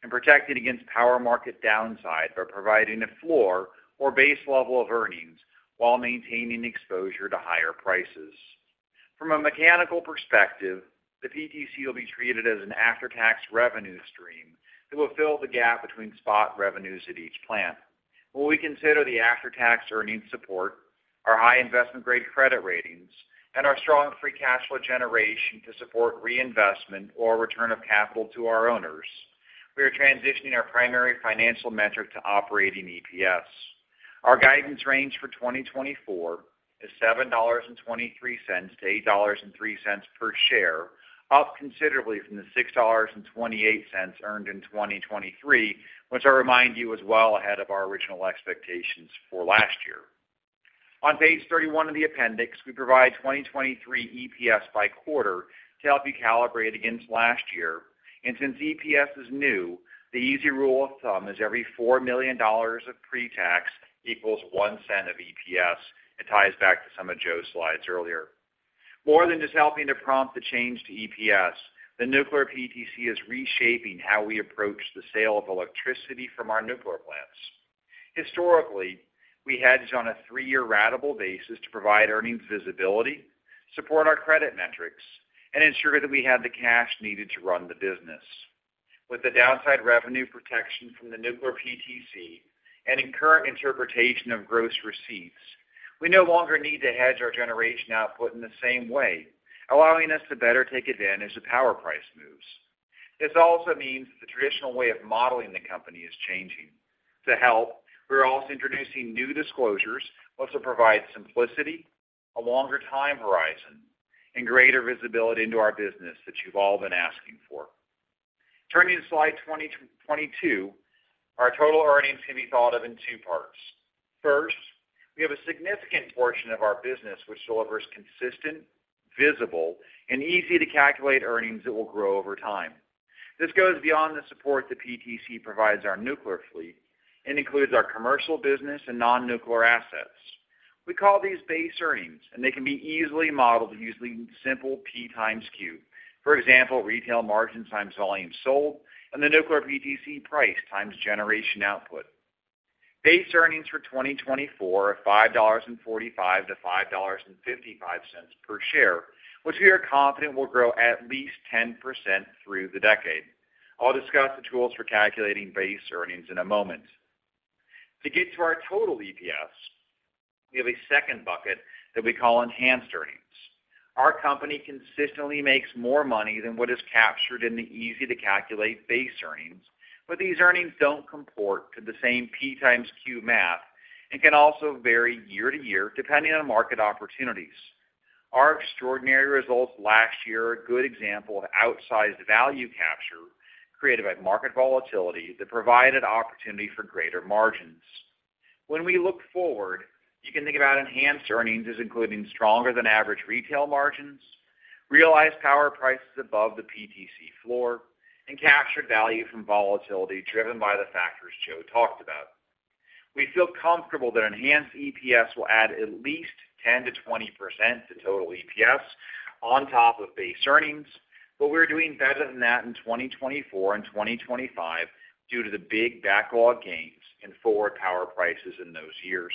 and protecting against power market downside by providing a floor or base level of earnings while maintaining exposure to higher prices. From a mechanical perspective, the PTC will be treated as an after-tax revenue stream that will fill the gap between spot revenues at each plant. When we consider the after-tax earnings support, our high investment-grade credit ratings, and our strong free cash flow generation to support reinvestment or return of capital to our owners, we are transitioning our primary financial metric to Operating EPS. Our guidance range for 2024 is $7.23-$8.03 per share, up considerably from the $6.28 earned in 2023, which I'll remind you is well ahead of our original expectations for last year. On page 31 of the appendix, we provide 2023 EPS by quarter to help you calibrate against last year. Since EPS is new, the easy rule of thumb is every $4 million of pre-tax equals 0.01 of EPS. It ties back to some of Joe's slides earlier. More than just helping to prompt the change to EPS, the Nuclear PTC is reshaping how we approach the sale of electricity from our nuclear plants. Historically, we hedged on a three-year ratable basis to provide earnings visibility, support our credit metrics, and ensure that we had the cash needed to run the business. With the downside revenue protection from the Nuclear PTC and current interpretation of gross receipts, we no longer need to hedge our generation output in the same way, allowing us to better take advantage of power price moves. This also means that the traditional way of modeling the company is changing. To help, we're also introducing new disclosures also provide simplicity, a longer time horizon, and greater visibility into our business that you've all been asking for. Turning to slide 22, our total earnings can be thought of in two parts. First, we have a significant portion of our business which delivers consistent, visible, and easy-to-calculate earnings that will grow over time. This goes beyond the support the PTC provides our nuclear fleet and includes our commercial business and non-nuclear assets. We call these Base Earnings. They can be easily modeled using simple P x Q. For example, retail margin times volume sold and the Nuclear PTC price times generation output. Base Earnings for 2024 are $5.45-$5.55 per share, which we are confident will grow at least 10% through the decade. I'll discuss the tools for calculating Base Earnings in a moment. To get to our total EPS, we have a second bucket that we call Enhanced Earnings. Our company consistently makes more money than what is captured in the easy-to-calculate Base Earnings. But these earnings don't comport to the same P times Q math and can also vary year to year depending on market opportunities. Our extraordinary results last year are a good example of outsized value capture created by market volatility that provided opportunity for greater margins. When we look forward, you can think about Enhanced Earnings as including stronger-than-average retail margins, realized power prices above the PTC floor, and captured value from volatility driven by the factors Joe talked about. We feel comfortable that enhanced EPS will add at least 10%-20% to total EPS on top of Base Earnings. But we're doing better than that in 2024 and 2025 due to the big backlog gains in forward power prices in those years.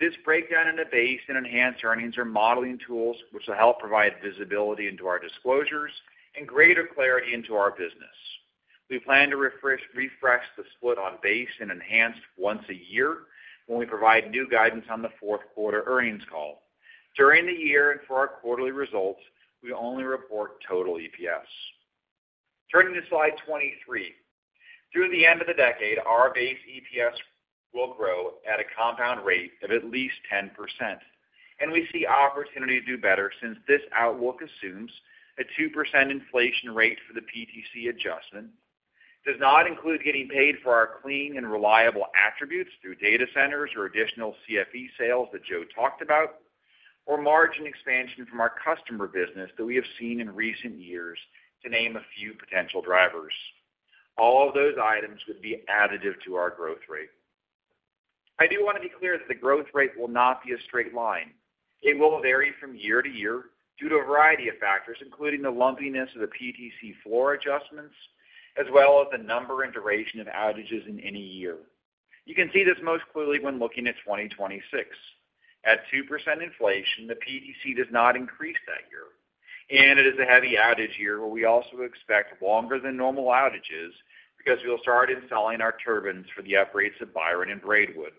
This breakdown into base and Enhanced Earnings are modeling tools which will help provide visibility into our disclosures and greater clarity into our business. We plan to refresh the split on Base and Enhanced once a year when we provide new guidance on the fourth quarter earnings call. During the year and for our quarterly results, we only report total EPS. Turning to slide 23. Through the end of the decade, our Base EPS will grow at a compound rate of at least 10%. And we see opportunity to do better since this outlook assumes a 2% inflation rate for the PTC adjustment, does not include getting paid for our clean and reliable attributes through data centers or additional CFE sales that Joe talked about, or margin expansion from our customer business that we have seen in recent years to name a few potential drivers. All of those items would be additive to our growth rate. I do want to be clear that the growth rate will not be a straight line. It will vary from year-to-year due to a variety of factors including the lumpiness of the PTC floor adjustments as well as the number and duration of outages in any year. You can see this most clearly when looking at 2026. At 2% inflation, the PTC does not increase that year. And it is a heavy outage year where we also expect longer-than-normal outages because we'll start installing our turbines for the upgrades of Byron and Braidwood.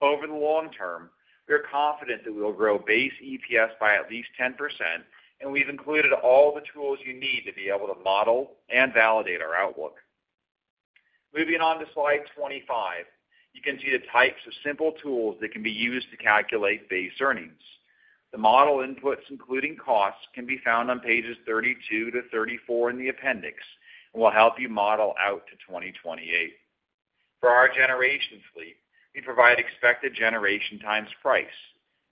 Over the long term, we are confident that we'll grow Base EPS by at least 10%. And we've included all the tools you need to be able to model and validate our outlook. Moving on to Slide 25, you can see the types of simple tools that can be used to calculate Base Earnings. The model inputs including costs can be found on pages 32 to 34 in the appendix and will help you model out to 2028. For our generation fleet, we provide expected generation times price.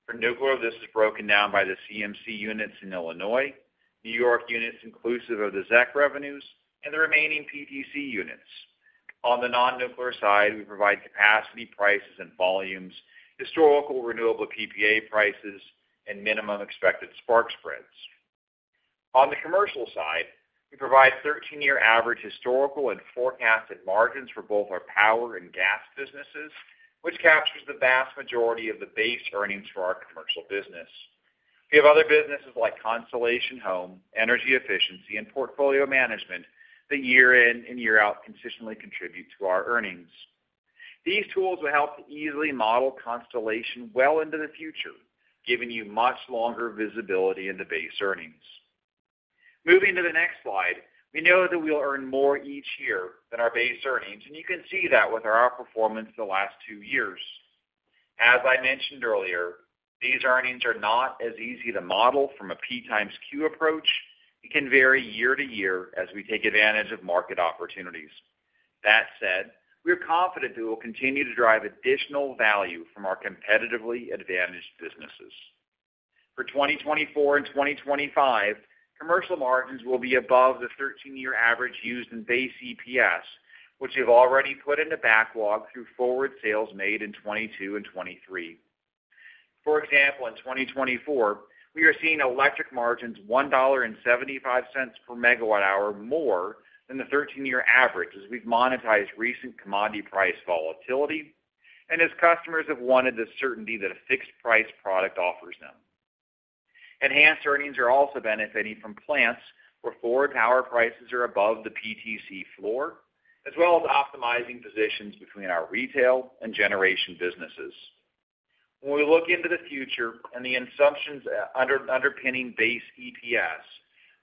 For nuclear, this is broken down by the CMC units in Illinois, New York units inclusive of the ZEC revenues, and the remaining PTC units. On the non-nuclear side, we provide capacity prices and volumes, historical renewable PPA prices, and minimum expected spark spreads. On the commercial side, we provide 13-year average historical and forecasted margins for both our power and gas businesses, which captures the vast majority of the Base Earnings for our commercial business. We have other businesses like Constellation Home, energy efficiency, and portfolio management that year in and year out consistently contribute to our earnings. These tools will help to easily model Constellation well into the future, giving you much longer visibility in the Base Earnings. Moving to the next slide, we know that we'll earn more each year than our Base Earnings. You can see that with our outperformance the last two years. As I mentioned earlier, these earnings are not as easy to model from a P times Q approach. It can vary year-to-year as we take advantage of market opportunities. That said, we are confident that we'll continue to drive additional value from our competitively advantaged businesses. For 2024 and 2025, commercial margins will be above the 13-year average used in Base EPS, which you've already put into backlog through forward sales made in 2022 and 2023. For example, in 2024, we are seeing electric margins $1.75 per MWh more than the 13-year average as we've monetized recent commodity price volatility and as customers have wanted the certainty that a fixed-price product offers them. Enhanced Earnings are also benefiting from plants where forward power prices are above the PTC floor as well as optimizing positions between our retail and generation businesses. When we look into the future and the assumptions underpinning Base EPS,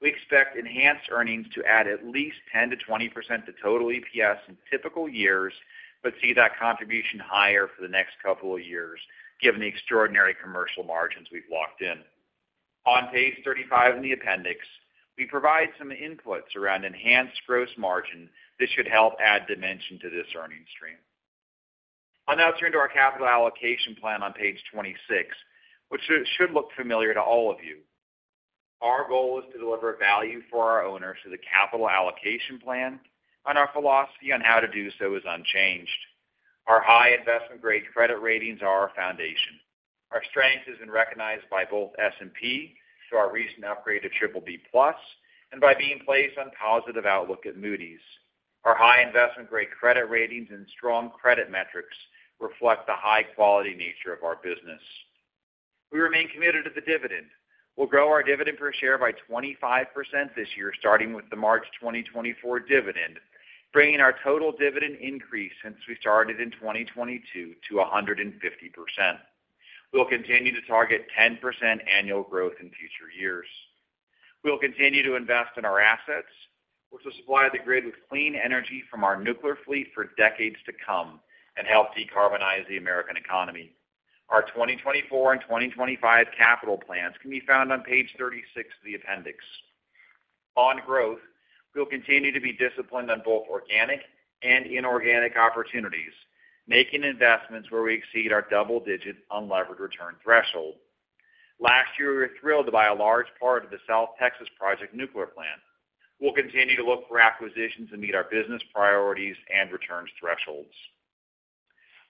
we expect Enhanced Earnings to add at least 10%-20% to total EPS in typical years but see that contribution higher for the next couple of years given the extraordinary commercial margins we've locked in. On page 35 in the appendix, we provide some inputs around enhanced gross margin. This should help add dimension to this earnings stream. I'll now turn to our capital allocation plan on page 26, which should look familiar to all of you. Our goal is to deliver value for our owners through the capital allocation plan. Our philosophy on how to do so is unchanged. Our high investment-grade credit ratings are our foundation. Our strength has been recognized by both S&P through our recent upgrade to BBB+ and by being placed on positive outlook at Moody's. Our high investment-grade credit ratings and strong credit metrics reflect the high-quality nature of our business. We remain committed to the dividend. We'll grow our dividend per share by 25% this year starting with the March 2024 dividend, bringing our total dividend increase since we started in 2022 to 150%. We'll continue to target 10% annual growth in future years. We'll continue to invest in our assets, which will supply the grid with clean energy from our nuclear fleet for decades to come and help decarbonize the American economy. Our 2024 and 2025 capital plans can be found on page 36 of the appendix. On growth, we'll continue to be disciplined on both organic and inorganic opportunities, making investments where we exceed our double-digit unlevered return threshold. Last year, we were thrilled to buy a large part of the South Texas Project nuclear plant. We'll continue to look for acquisitions to meet our business priorities and returns thresholds.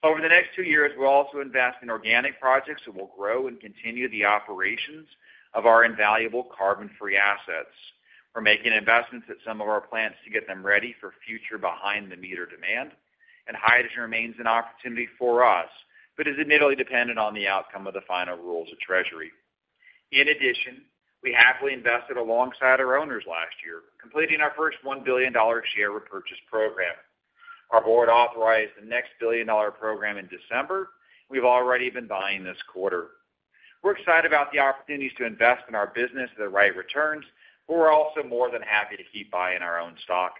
Over the next two years, we'll also invest in organic projects that will grow and continue the operations of our invaluable carbon-free assets. We're making investments at some of our plants to get them ready for future behind-the-meter demand. Hydrogen remains an opportunity for us but is admittedly dependent on the outcome of the final rules of Treasury. In addition, we happily invested alongside our owners last year, completing our first $1 billion share repurchase program. Our board authorized the next billion-dollar program in December. We've already been buying this quarter. We're excited about the opportunities to invest in our business at the right returns. But we're also more than happy to keep buying our own stock.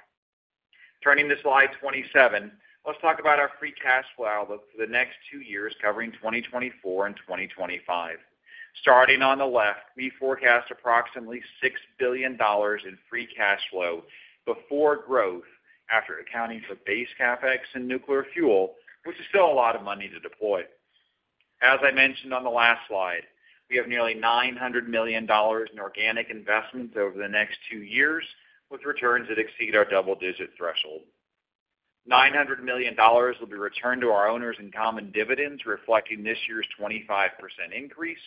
Turning to slide 27, let's talk about our free cash flow outlook for the next two years covering 2024 and 2025. Starting on the left, we forecast approximately $6 billion in free cash flow before growth after accounting for base CapEx and nuclear fuel, which is still a lot of money to deploy. As I mentioned on the last slide, we have nearly $900 million in organic investments over the next two years with returns that exceed our double-digit threshold. $900 million will be returned to our owners in common dividends, reflecting this year's 25% increase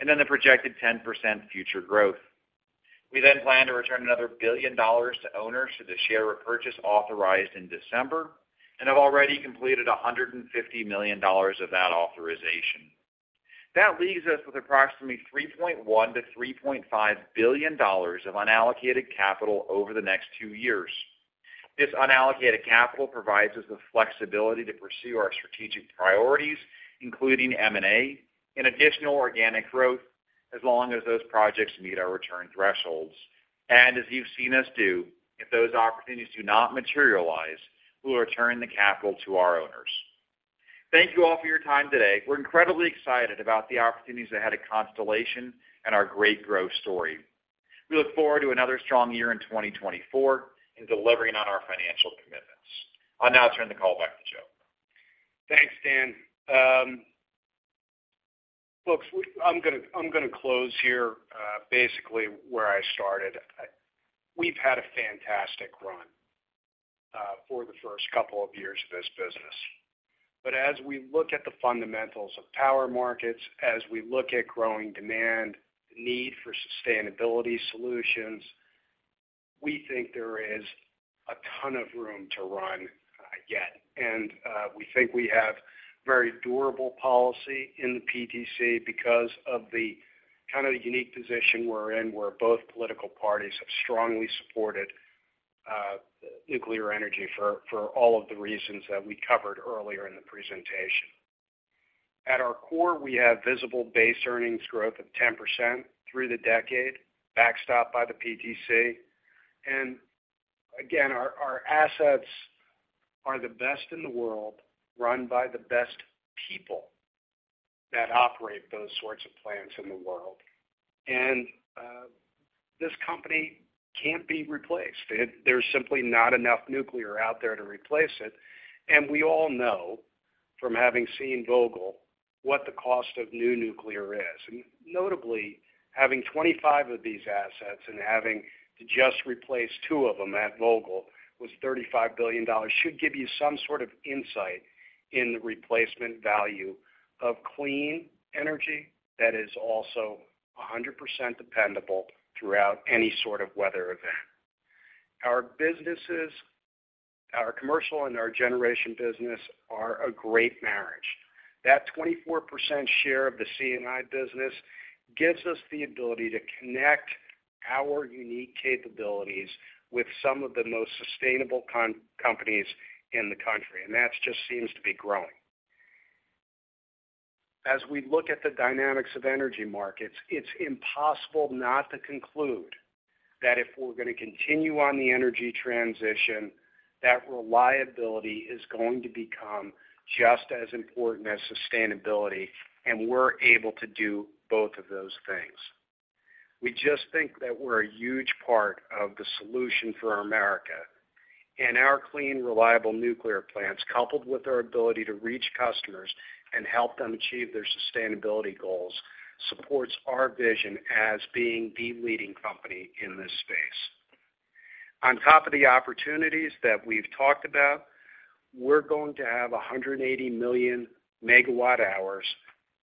and then the projected 10% future growth. We then plan to return another $1 billion to owners through the share repurchase authorized in December and have already completed $150 million of that authorization. That leaves us with approximately $3.1-$3.5 billion of unallocated capital over the next two years. This unallocated capital provides us the flexibility to pursue our strategic priorities, including M&A and additional organic growth, as long as those projects meet our return thresholds. As you've seen us do, if those opportunities do not materialize, we'll return the capital to our owners. Thank you all for your time today. We're incredibly excited about the opportunities ahead of Constellation and our great growth story. We look forward to another strong year in 2024 in delivering on our financial commitments. I'll now turn the call back to Joe. Thanks, Dan. Folks, I'm going to close here basically where I started. We've had a fantastic run for the first couple of years of this business. But as we look at the fundamentals of power markets, as we look at growing demand, the need for sustainability solutions, we think there is a ton of room to run yet. And we think we have very durable policy in the PTC because of the kind of unique position we're in where both political parties have strongly supported nuclear energy for all of the reasons that we covered earlier in the presentation. At our core, we have visible Base Earnings growth of 10% through the decade, backstopped by the PTC. And again, our assets are the best in the world run by the best people that operate those sorts of plants in the world. And this company can't be replaced. There's simply not enough nuclear out there to replace it. We all know from having seen Vogtle what the cost of new nuclear is. Notably, having 25 of these assets and having to just replace two of them at Vogtle was $35 billion. Should give you some sort of insight in the replacement value of clean energy that is also 100% dependable throughout any sort of weather event. Our businesses, our commercial and our generation business, are a great marriage. That 24% share of the C&I business gives us the ability to connect our unique capabilities with some of the most sustainable companies in the country. And that just seems to be growing. As we look at the dynamics of energy markets, it's impossible not to conclude that if we're going to continue on the energy transition, that reliability is going to become just as important as sustainability. We're able to do both of those things. We just think that we're a huge part of the solution for America. Our clean, reliable nuclear plants, coupled with our ability to reach customers and help them achieve their sustainability goals, supports our vision as being the leading company in this space. On top of the opportunities that we've talked about, we're going to have 180 million MWh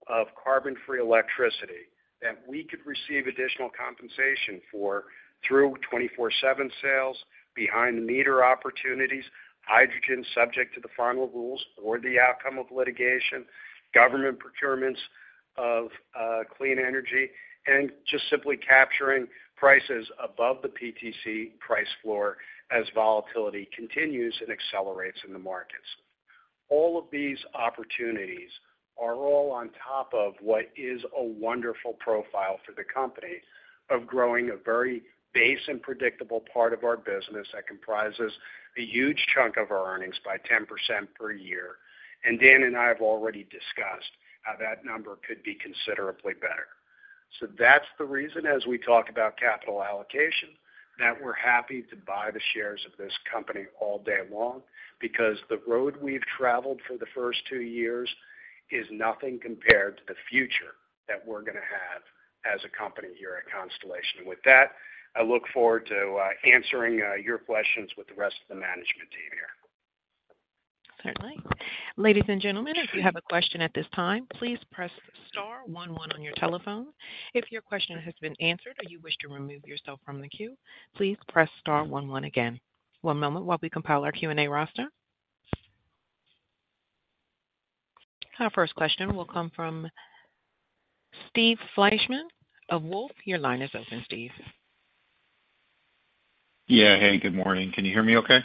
of carbon-free electricity that we could receive additional compensation for through 24/7 sales, behind-the-meter opportunities, hydrogen subject to the final rules or the outcome of litigation, government procurements of clean energy, and just simply capturing prices above the PTC price floor as volatility continues and accelerates in the markets. All of these opportunities are all on top of what is a wonderful profile for the company of growing a very base and predictable part of our business that comprises a huge chunk of our earnings by 10% per year. Dan and I have already discussed how that number could be considerably better. That's the reason, as we talk about capital allocation, that we're happy to buy the shares of this company all day long because the road we've traveled for the first two years is nothing compared to the future that we're going to have as a company here at Constellation. With that, I look forward to answering your questions with the rest of the management team here. Certainly. Ladies and gentlemen, if you have a question at this time, please press star one one on your telephone. If your question has been answered or you wish to remove yourself from the queue, please press star one one again. One moment while we compile our Q&A roster. Our first question will come from Steve Fleishman of Wolfe. Your line is open, Steve. Yeah. Hey. Good morning. Can you hear me okay?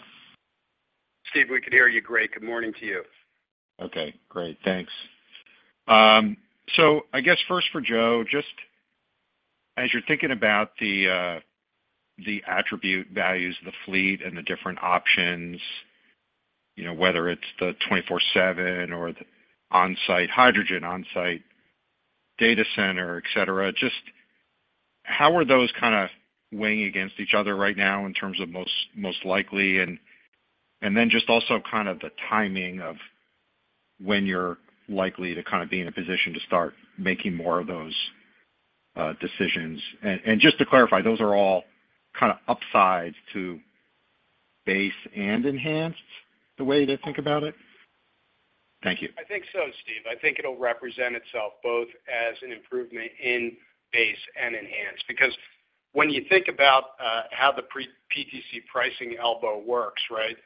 Steve, we can hear you great. Good morning to you. Okay. Great. Thanks. So I guess first for Joe, just as you're thinking about the attribute values, the fleet, and the different options, whether it's the 24/7 or the on-site hydrogen, on-site data center, etcetera, just how are those kind of weighing against each other right now in terms of most likely and then just also kind of the timing of when you're likely to kind of be in a position to start making more of those decisions? And just to clarify, those are all kind of upsides to base and enhanced, the way they think about it? Thank you. I think so, Steve. I think it'll represent itself both as an improvement in base and enhanced because when you think about how the PTC pricing elbow works, right,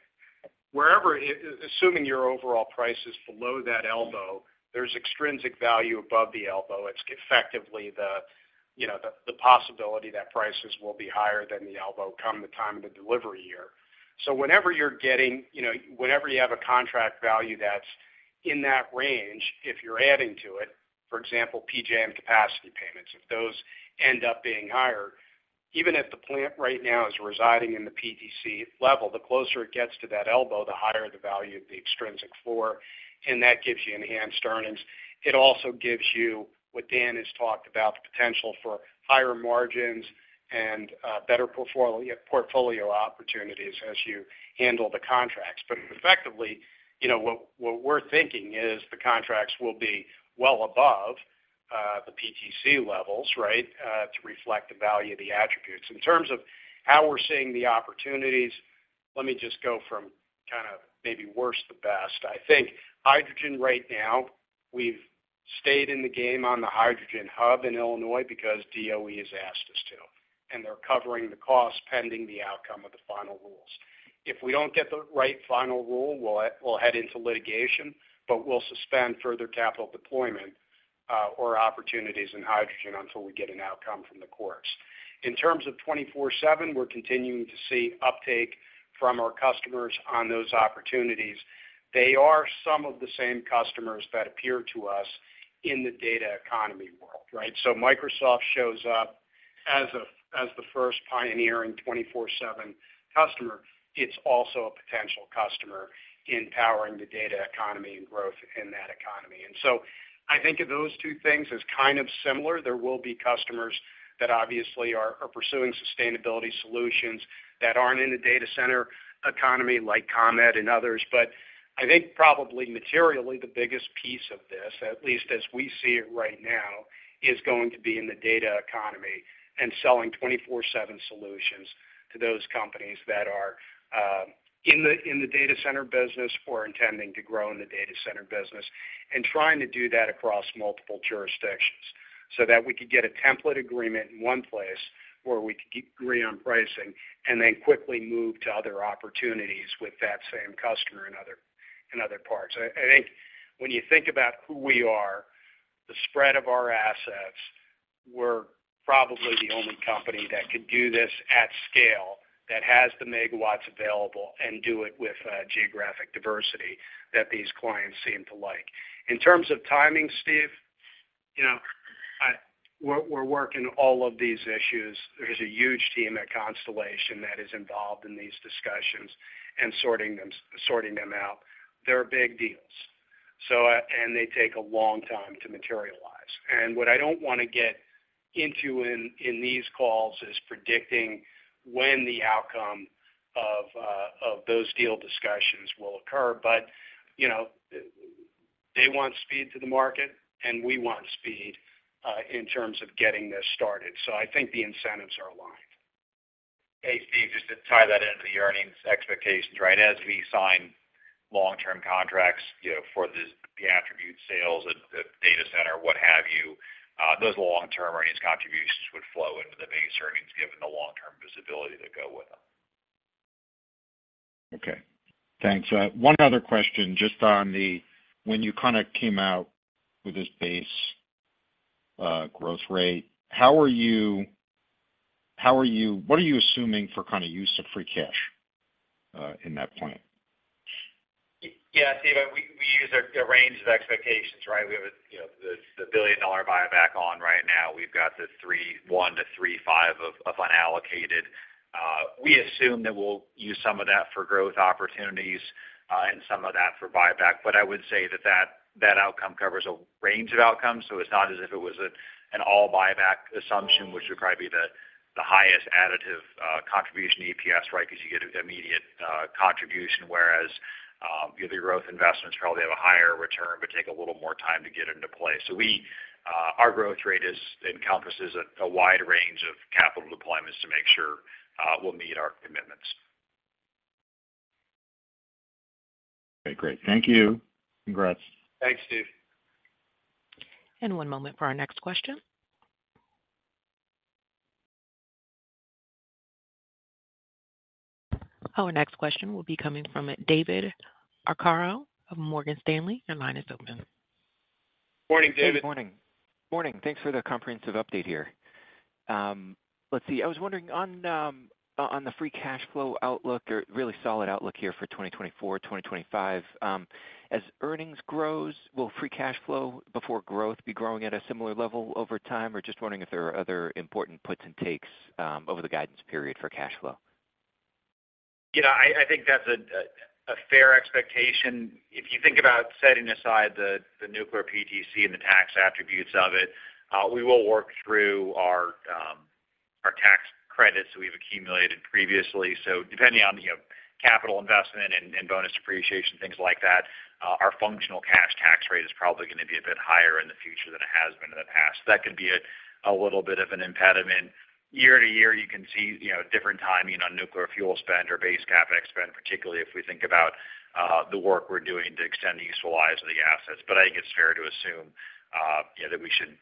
assuming your overall price is below that elbow, there's extrinsic value above the elbow. It's effectively the possibility that prices will be higher than the elbow come the time of the delivery year. So whenever you have a contract value that's in that range, if you're adding to it, for example, PJM capacity payments, if those end up being higher, even if the plant right now is residing in the PTC level, the closer it gets to that elbow, the higher the value of the extrinsic floor. And that gives you Enhanced Earnings. It also gives you, what Dan has talked about, the potential for higher margins and better portfolio opportunities as you handle the contracts. But effectively, what we're thinking is the contracts will be well above the PTC levels, right, to reflect the value of the attributes. In terms of how we're seeing the opportunities, let me just go from kind of maybe worst to best. I think hydrogen right now, we've stayed in the game on the hydrogen hub in Illinois because DOE has asked us to. And they're covering the cost pending the outcome of the final rules. If we don't get the right final rule, we'll head into litigation. But we'll suspend further capital deployment or opportunities in hydrogen until we get an outcome from the courts. In terms of 24/7, we're continuing to see uptake from our customers on those opportunities. They are some of the same customers that appear to us in the data economy world, right? So Microsoft shows up as the first pioneering 24/7 customer. It's also a potential customer in powering the data economy and growth in that economy. And so I think of those two things as kind of similar. There will be customers that obviously are pursuing sustainability solutions that aren't in the data center economy like ComEd and others. But I think probably materially, the biggest piece of this, at least as we see it right now, is going to be in the data economy and selling 24/7 solutions to those companies that are in the data center business or intending to grow in the data center business and trying to do that across multiple jurisdictions so that we could get a template agreement in one place where we could agree on pricing and then quickly move to other opportunities with that same customer in other parts. I think when you think about who we are, the spread of our assets, we're probably the only company that could do this at scale that has the megawatts available and do it with geographic diversity that these clients seem to like. In terms of timing, Steve, we're working all of these issues. There's a huge team at Constellation that is involved in these discussions and sorting them out. They're big deals. They take a long time to materialize. What I don't want to get into in these calls is predicting when the outcome of those deal discussions will occur. But they want speed to the market. We want speed in terms of getting this started. So I think the incentives are aligned. Hey, Steve, just to tie that into the earnings expectations, right, as we sign long-term contracts for the attribute sales at the data center, what have you, those long-term earnings contributions would flow into the Base Earnings given the long-term visibility that go with them. Okay. Thanks. One other question just on the, when you kind of came out with this base growth rate, what are you assuming for kind of use of free cash in that plan? Yeah, Steve. We use a range of expectations, right? We have the billion-dollar buyback on right now. We've got the $1-$3.5 billion of unallocated. We assume that we'll use some of that for growth opportunities and some of that for buyback. But I would say that that outcome covers a range of outcomes. So it's not as if it was an all-buyback assumption, which would probably be the highest additive contribution EPS, right, because you get immediate contribution, whereas the growth investments probably have a higher return but take a little more time to get into place. So our growth rate encompasses a wide range of capital deployments to make sure we'll meet our commitments. Okay. Great. Thank you. Congrats. Thanks, Steve. One moment for our next question. Our next question will be coming from David Arcaro of Morgan Stanley. Your line is open. Morning, David. Good morning. Morning. Thanks for the comprehensive update here. Let's see. I was wondering on the free cash flow outlook, a really solid outlook here for 2024, 2025, as earnings grows, will free cash flow before growth be growing at a similar level over time? Or just wondering if there are other important puts and takes over the guidance period for cash flow. Yeah. I think that's a fair expectation. If you think about setting aside the Nuclear PTC and the tax attributes of it, we will work through our tax credits that we've accumulated previously. So depending on capital investment and bonus depreciation, things like that, our functional cash tax rate is probably going to be a bit higher in the future than it has been in the past. That could be a little bit of an impediment. Year-to-year, you can see different timing on nuclear fuel spend or base CapEx spend, particularly if we think about the work we're doing to extend the useful lives of the assets. But I think it's fair to assume that we should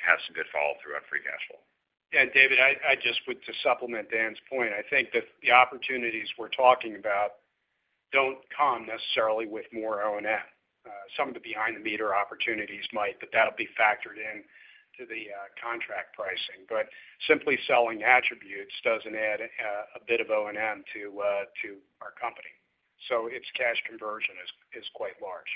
have some good follow-through on free cash flow. Yeah. David, I just would, to supplement Dan's point, I think that the opportunities we're talking about don't come necessarily with more O&M. Some of the behind-the-meter opportunities might, but that'll be factored into the contract pricing. But simply selling attributes doesn't add a bit of O&M to our company. So its cash conversion is quite large.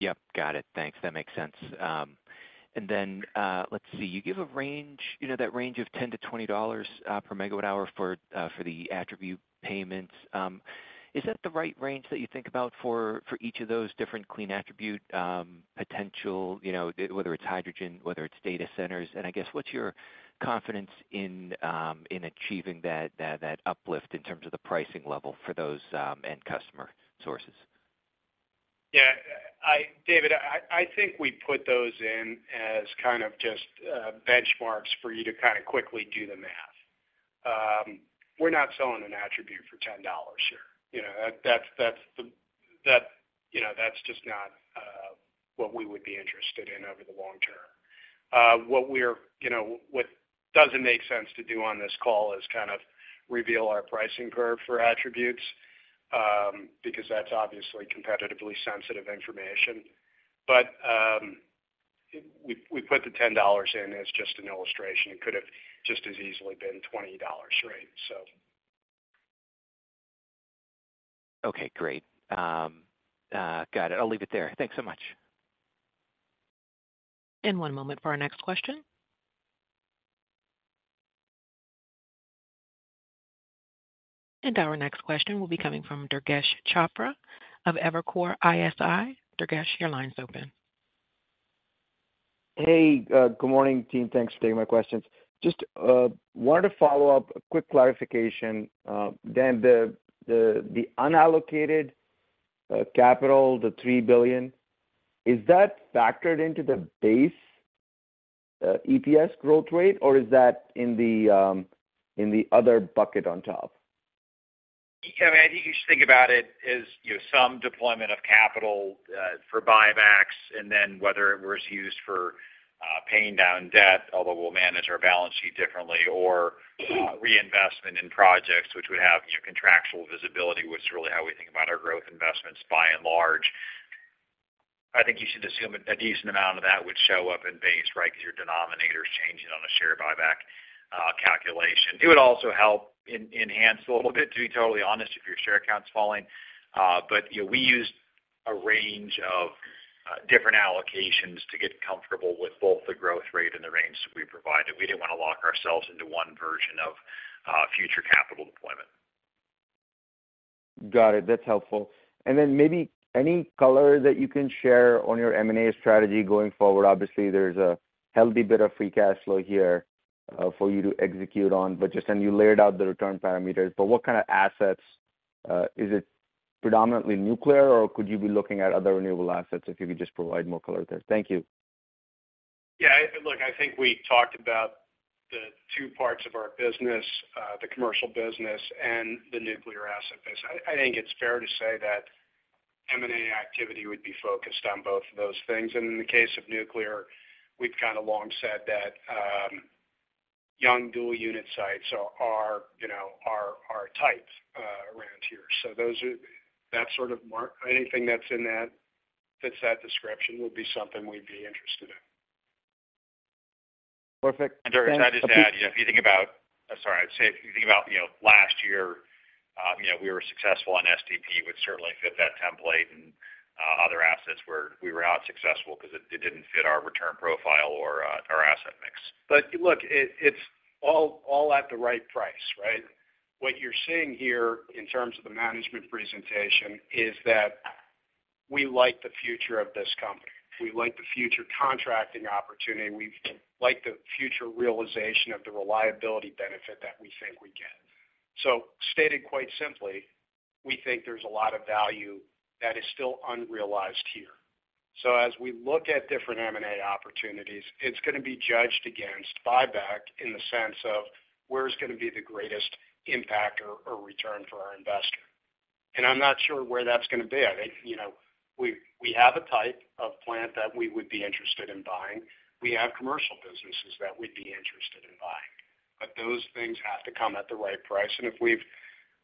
Yep. Got it. Thanks. That makes sense. And then let's see. You give a range, that range of $10-$20 per MWh for the attribute payments. Is that the right range that you think about for each of those different clean attribute potential, whether it's hydrogen, whether it's data centers? And I guess, what's your confidence in achieving that uplift in terms of the pricing level for those end customer sources? Yeah. David, I think we put those in as kind of just benchmarks for you to kind of quickly do the math. We're not selling an attribute for $10 here. That's just not what we would be interested in over the long term. What doesn't make sense to do on this call is kind of reveal our pricing curve for attributes because that's obviously competitively sensitive information. But we put the $10 in as just an illustration. It could have just as easily been $20, right, so. Okay. Great. Got it. I'll leave it there. Thanks so much. One moment for our next question. Our next question will be coming from Durgesh Chopra of Evercore ISI. Durgesh, your line's open. Hey. Good morning, team. Thanks for taking my questions. Just wanted to follow up, a quick clarification. Dan, the unallocated capital, the $3 billion, is that factored into the Base EPS growth rate, or is that in the other bucket on top? Yeah. I mean, I think you should think about it as some deployment of capital for buybacks and then whether it was used for paying down debt, although we'll manage our balance sheet differently, or reinvestment in projects, which would have contractual visibility, which is really how we think about our growth investments by and large. I think you should assume a decent amount of that would show up in base, right, because your denominator is changing on a share buyback calculation. It would also help enhance a little bit, to be totally honest, if your share count's falling. But we used a range of different allocations to get comfortable with both the growth rate and the range that we provided. We didn't want to lock ourselves into one version of future capital deployment. Got it. That's helpful. And then maybe any color that you can share on your M&A strategy going forward. Obviously, there's a healthy bit of free cash flow here for you to execute on, but just and you laid out the return parameters. But what kind of assets? Is it predominantly nuclear, or could you be looking at other renewable assets if you could just provide more color there? Thank you. Yeah. Look, I think we talked about the two parts of our business, the commercial business and the nuclear asset base. I think it's fair to say that M&A activity would be focused on both of those things. And in the case of nuclear, we've kind of long said that young dual-unit sites are our type around here. So that sort of anything that's in that fits that description would be something we'd be interested in. Perfect. Durgesh, I just add, if you think about sorry. I'd say if you think about last year, we were successful on STP, which certainly fit that template. And other assets, we were not successful because it didn't fit our return profile or our asset mix. But look, it's all at the right price, right? What you're seeing here in terms of the management presentation is that we like the future of this company. We like the future contracting opportunity. We like the future realization of the reliability benefit that we think we get. So stated quite simply, we think there's a lot of value that is still unrealized here. So as we look at different M&A opportunities, it's going to be judged against buyback in the sense of where's going to be the greatest impact or return for our investor. And I'm not sure where that's going to be. I think we have a type of plant that we would be interested in buying. We have commercial businesses that we'd be interested in buying. But those things have to come at the right price. If we've,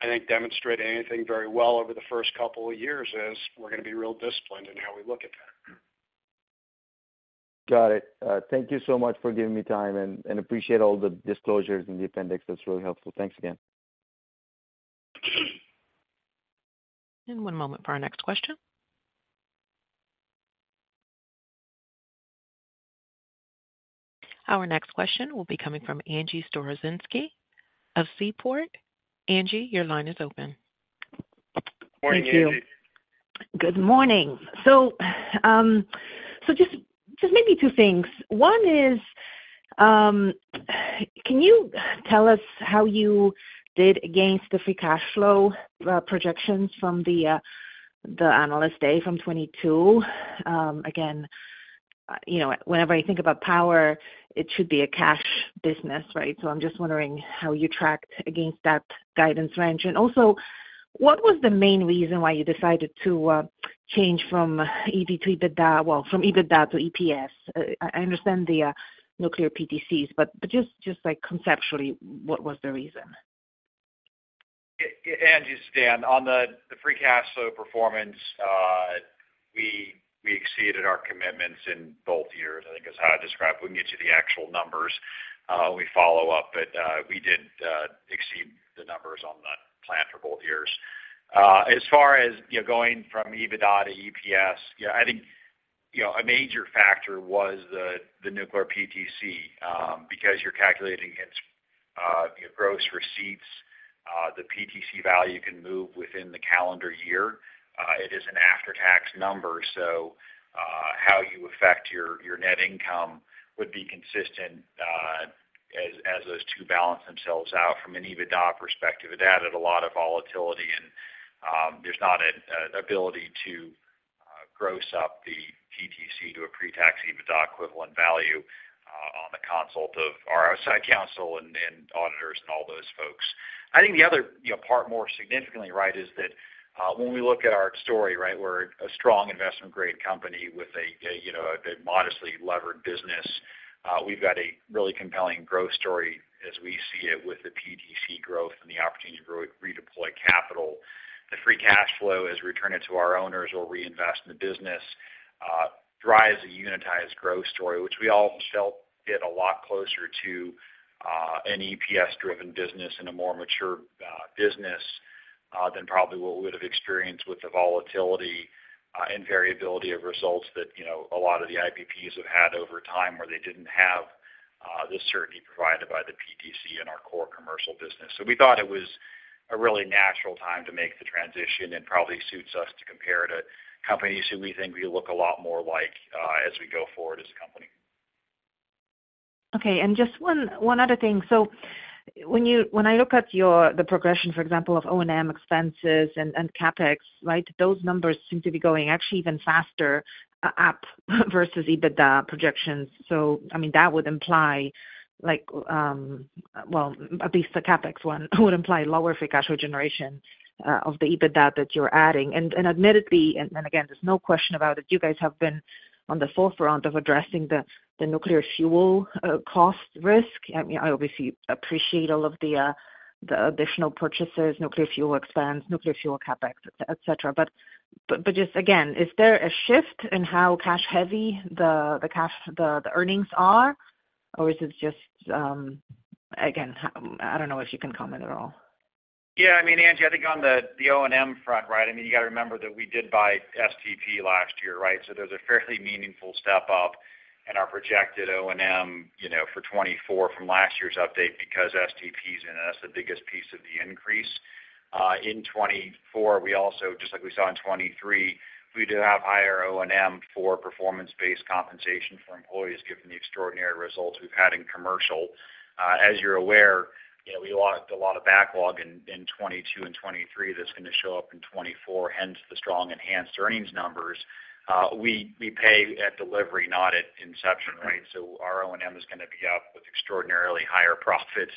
I think, demonstrated anything very well over the first couple of years is we're going to be real disciplined in how we look at that. Got it. Thank you so much for giving me time. And appreciate all the disclosures in the appendix. That's really helpful. Thanks again. One moment for our next question. Our next question will be coming from Angie Storozynski of Seaport. Angie, your line is open. Morning, Angie. Thank you. Good morning. So just maybe two things. One is, can you tell us how you did against the free cash flow projections from the Analyst Day from 2022? Again, whenever I think about power, it should be a cash business, right? So I'm just wondering how you tracked against that guidance range. And also, what was the main reason why you decided to change from EBITDA well, from EBITDA to EPS? I understand the Nuclear PTCs, but just conceptually, what was the reason? Angie, Steve, on the free cash flow performance, we exceeded our commitments in both years, I think is how I describe it. We didn't get you the actual numbers. We follow up, but we did exceed the numbers on the plan for both years. As far as going from EBITDA to EPS, I think a major factor was the Nuclear PTC because you're calculating against gross receipts. The PTC value can move within the calendar year. It is an after-tax number. So how you affect your net income would be consistent as those two balance themselves out. From an EBITDA perspective, it added a lot of volatility. There's not an ability to gross up the PTC to a pre-tax EBITDA equivalent value on the counsel of our outside counsel and auditors and all those folks. I think the other part more significantly, right, is that when we look at our story, right, we're a strong investment-grade company with a modestly levered business. We've got a really compelling growth story as we see it with the PTC growth and the opportunity to redeploy capital. The free cash flow, as we return it to our owners or reinvest in the business, drives a unitized growth story, which we all felt hit a lot closer to an EPS-driven business and a more mature business than probably what we would have experienced with the volatility and variability of results that a lot of the IPPs have had over time where they didn't have the certainty provided by the PTC in our core commercial business. We thought it was a really natural time to make the transition and probably suits us to compare it to companies who we think we look a lot more like as we go forward as a company. Okay. And just one other thing. So when I look at the progression, for example, of O&M expenses and CapEx, right, those numbers seem to be going actually even faster up versus EBITDA projections. So I mean, that would imply well, at least the CapEx one would imply lower free cash flow generation of the EBITDA that you're adding. And admittedly, and again, there's no question about it, you guys have been on the forefront of addressing the nuclear fuel cost risk. I mean, I obviously appreciate all of the additional purchases, nuclear fuel expense, nuclear fuel CapEx, etc. But just again, is there a shift in how cash-heavy the earnings are, or is it just again, I don't know if you can comment at all. Yeah. I mean, Angie, I think on the O&M front, right, I mean, you got to remember that we did buy STP last year, right? So there's a fairly meaningful step up in our projected O&M for 2024 from last year's update because STP's in. And that's the biggest piece of the increase. In 2024, we also just like we saw in 2023, we do have higher O&M for performance-based compensation for employees given the extraordinary results we've had in commercial. As you're aware, we locked a lot of backlog in 2022 and 2023 that's going to show up in 2024, hence the strong Enhanced Earnings numbers. We pay at delivery, not at inception, right? So our O&M is going to be up with extraordinarily higher profits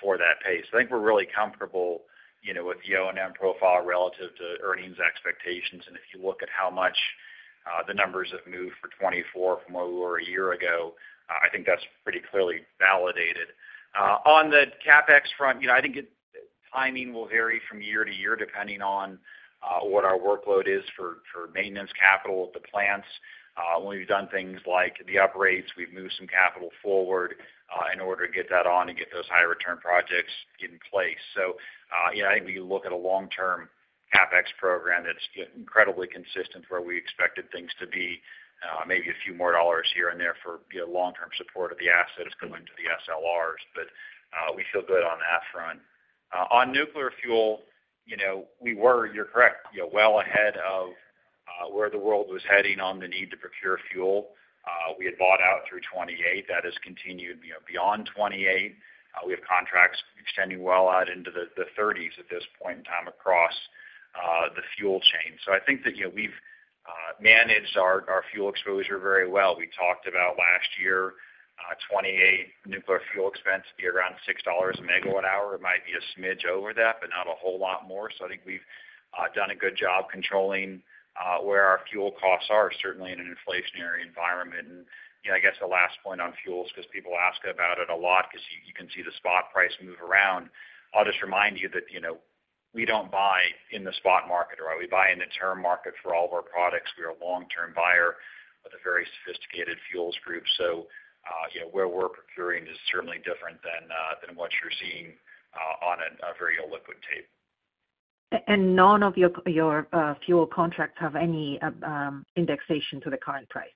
for that pace. So I think we're really comfortable with the O&M profile relative to earnings expectations. And if you look at how much the numbers have moved for 2024 from where we were a year ago, I think that's pretty clearly validated. On the CapEx front, I think timing will vary from year-to-year depending on what our workload is for maintenance capital at the plants. When we've done things like the upgrades, we've moved some capital forward in order to get that on and get those higher-return projects in place. So I think when you look at a long-term CapEx program that's incredibly consistent where we expected things to be maybe a few more dollars here and there for long-term support of the assets going to the SLRs. But we feel good on that front. On nuclear fuel, we were - you're correct - well ahead of where the world was heading on the need to procure fuel. We had bought out through 2028. That has continued beyond 2028. We have contracts extending well out into the 2030s at this point in time across the fuel chain. So I think that we've managed our fuel exposure very well. We talked about last year, 2028, nuclear fuel expense to be around $6/MWh. It might be a smidge over that, but not a whole lot more. So I think we've done a good job controlling where our fuel costs are, certainly in an inflationary environment. And I guess the last point on fuels because people ask about it a lot because you can see the spot price move around. I'll just remind you that we don't buy in the spot market, right? We buy in the term market for all of our products. We are a long-term buyer with a very sophisticated fuels group. Where we're procuring is certainly different than what you're seeing on a very illiquid tape. None of your fuel contracts have any indexation to the current price?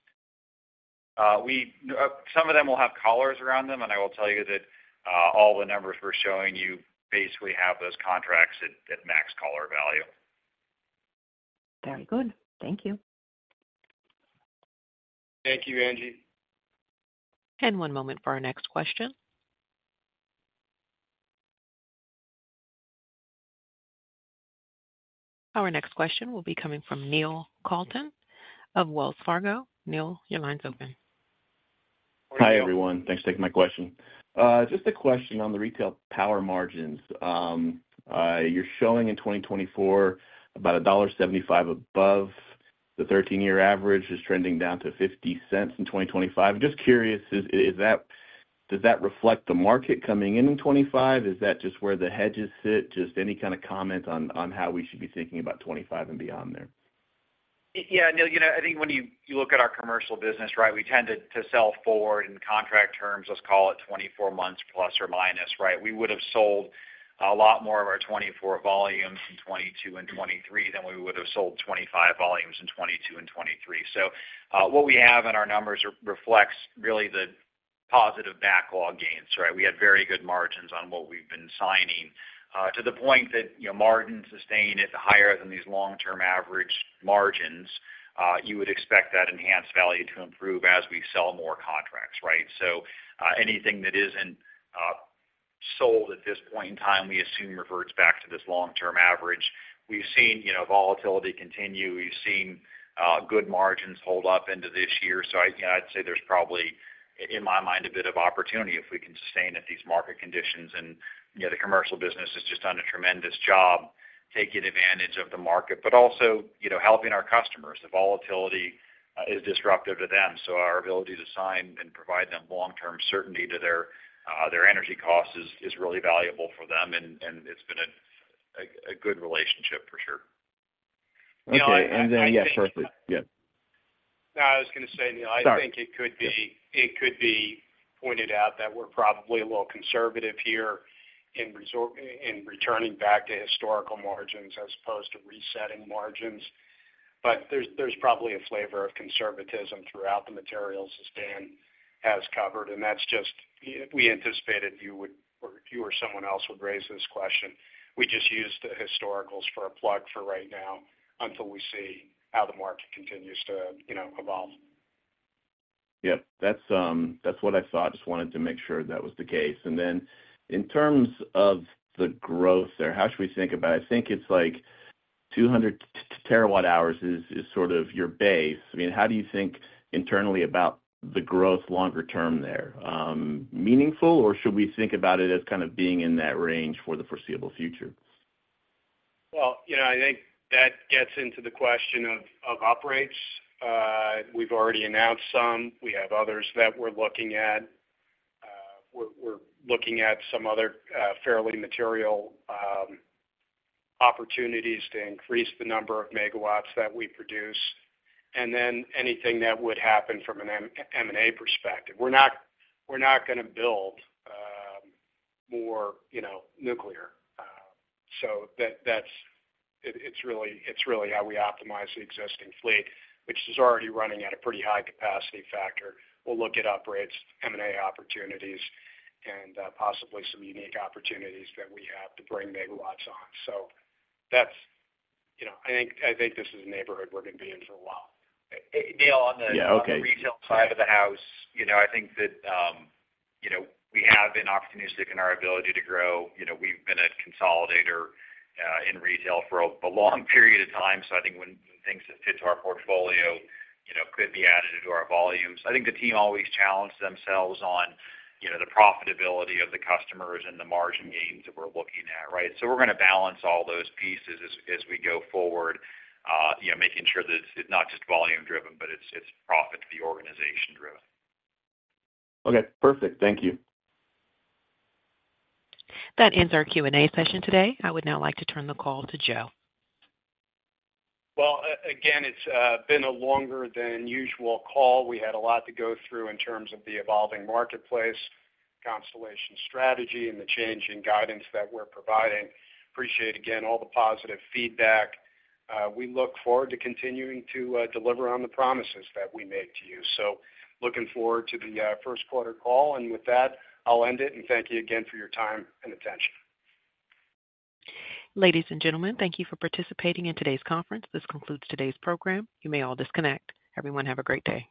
Some of them will have collars around them. I will tell you that all the numbers we're showing you basically have those contracts at max collar value. Very good. Thank you. Thank you, Angie. One moment for our next question. Our next question will be coming from Neil Kalton of Wells Fargo. Neil, your line's open. Hi, everyone. Thanks for taking my question. Just a question on the retail power margins. You're showing in 2024 about $1.75 above the 13-year average, just trending down to $0.50 in 2025. Just curious, does that reflect the market coming in in 2025? Is that just where the hedges sit? Just any kind of comment on how we should be thinking about 2025 and beyond there? Yeah. Neil, I think when you look at our commercial business, right, we tend to sell forward in contract terms, let's call it 24 months + or -, right? We would have sold a lot more of our 2024 volumes in 2022 and 2023 than we would have sold 2025 volumes in 2022 and 2023. So what we have in our numbers reflects really the positive backlog gains, right? We had very good margins on what we've been signing to the point that the margin sustained it higher than these long-term average margins. You would expect that enhanced value to improve as we sell more contracts, right? So anything that isn't sold at this point in time, we assume reverts back to this long-term average. We've seen volatility continue. We've seen good margins hold up into this year. So I'd say there's probably, in my mind, a bit of opportunity if we can sustain at these market conditions. The commercial business has just done a tremendous job taking advantage of the market, but also helping our customers. The volatility is disruptive to them. Our ability to sign and provide them long-term certainty to their energy costs is really valuable for them. It's been a good relationship for sure. Okay. And then yeah, perfect. Yeah. No, I was going to say, Neil, I think it could be pointed out that we're probably a little conservative here in returning back to historical margins as opposed to resetting margins. But there's probably a flavor of conservatism throughout the materials that Dan has covered. And we anticipated you or someone else would raise this question. We just used the historicals for a plug for right now until we see how the market continues to evolve. Yep. That's what I thought. Just wanted to make sure that was the case. And then in terms of the growth there, how should we think about it? I think it's like 200 TWh is sort of your base. I mean, how do you think internally about the growth longer-term there? Meaningful, or should we think about it as kind of being in that range for the foreseeable future? Well, I think that gets into the question of upgrades. We've already announced some. We have others that we're looking at. We're looking at some other fairly material opportunities to increase the number of megawatts that we produce. And then anything that would happen from an M&A perspective. We're not going to build more nuclear. So it's really how we optimize the existing fleet, which is already running at a pretty high capacity factor. We'll look at upgrades, M&A opportunities, and possibly some unique opportunities that we have to bring megawatts on. So I think this is a neighborhood we're going to be in for a while. Neil, on the retail side of the house, I think that we have an opportunity in our ability to grow. We've been a consolidator in retail for a long period of time. So I think when things that fit to our portfolio could be added into our volumes. I think the team always challenged themselves on the profitability of the customers and the margin gains that we're looking at, right? So we're going to balance all those pieces as we go forward, making sure that it's not just volume-driven, but it's profit-to-the-organization-driven. Okay. Perfect. Thank you. That ends our Q&A session today. I would now like to turn the call to Joe. Well, again, it's been a longer-than-usual call. We had a lot to go through in terms of the evolving marketplace, Constellation strategy, and the changing guidance that we're providing. Appreciate, again, all the positive feedback. We look forward to continuing to deliver on the promises that we make to you. So looking forward to the first-quarter call. And with that, I'll end it. And thank you again for your time and attention. Ladies and gentlemen, thank you for participating in today's conference. This concludes today's program. You may all disconnect. Everyone, have a great day.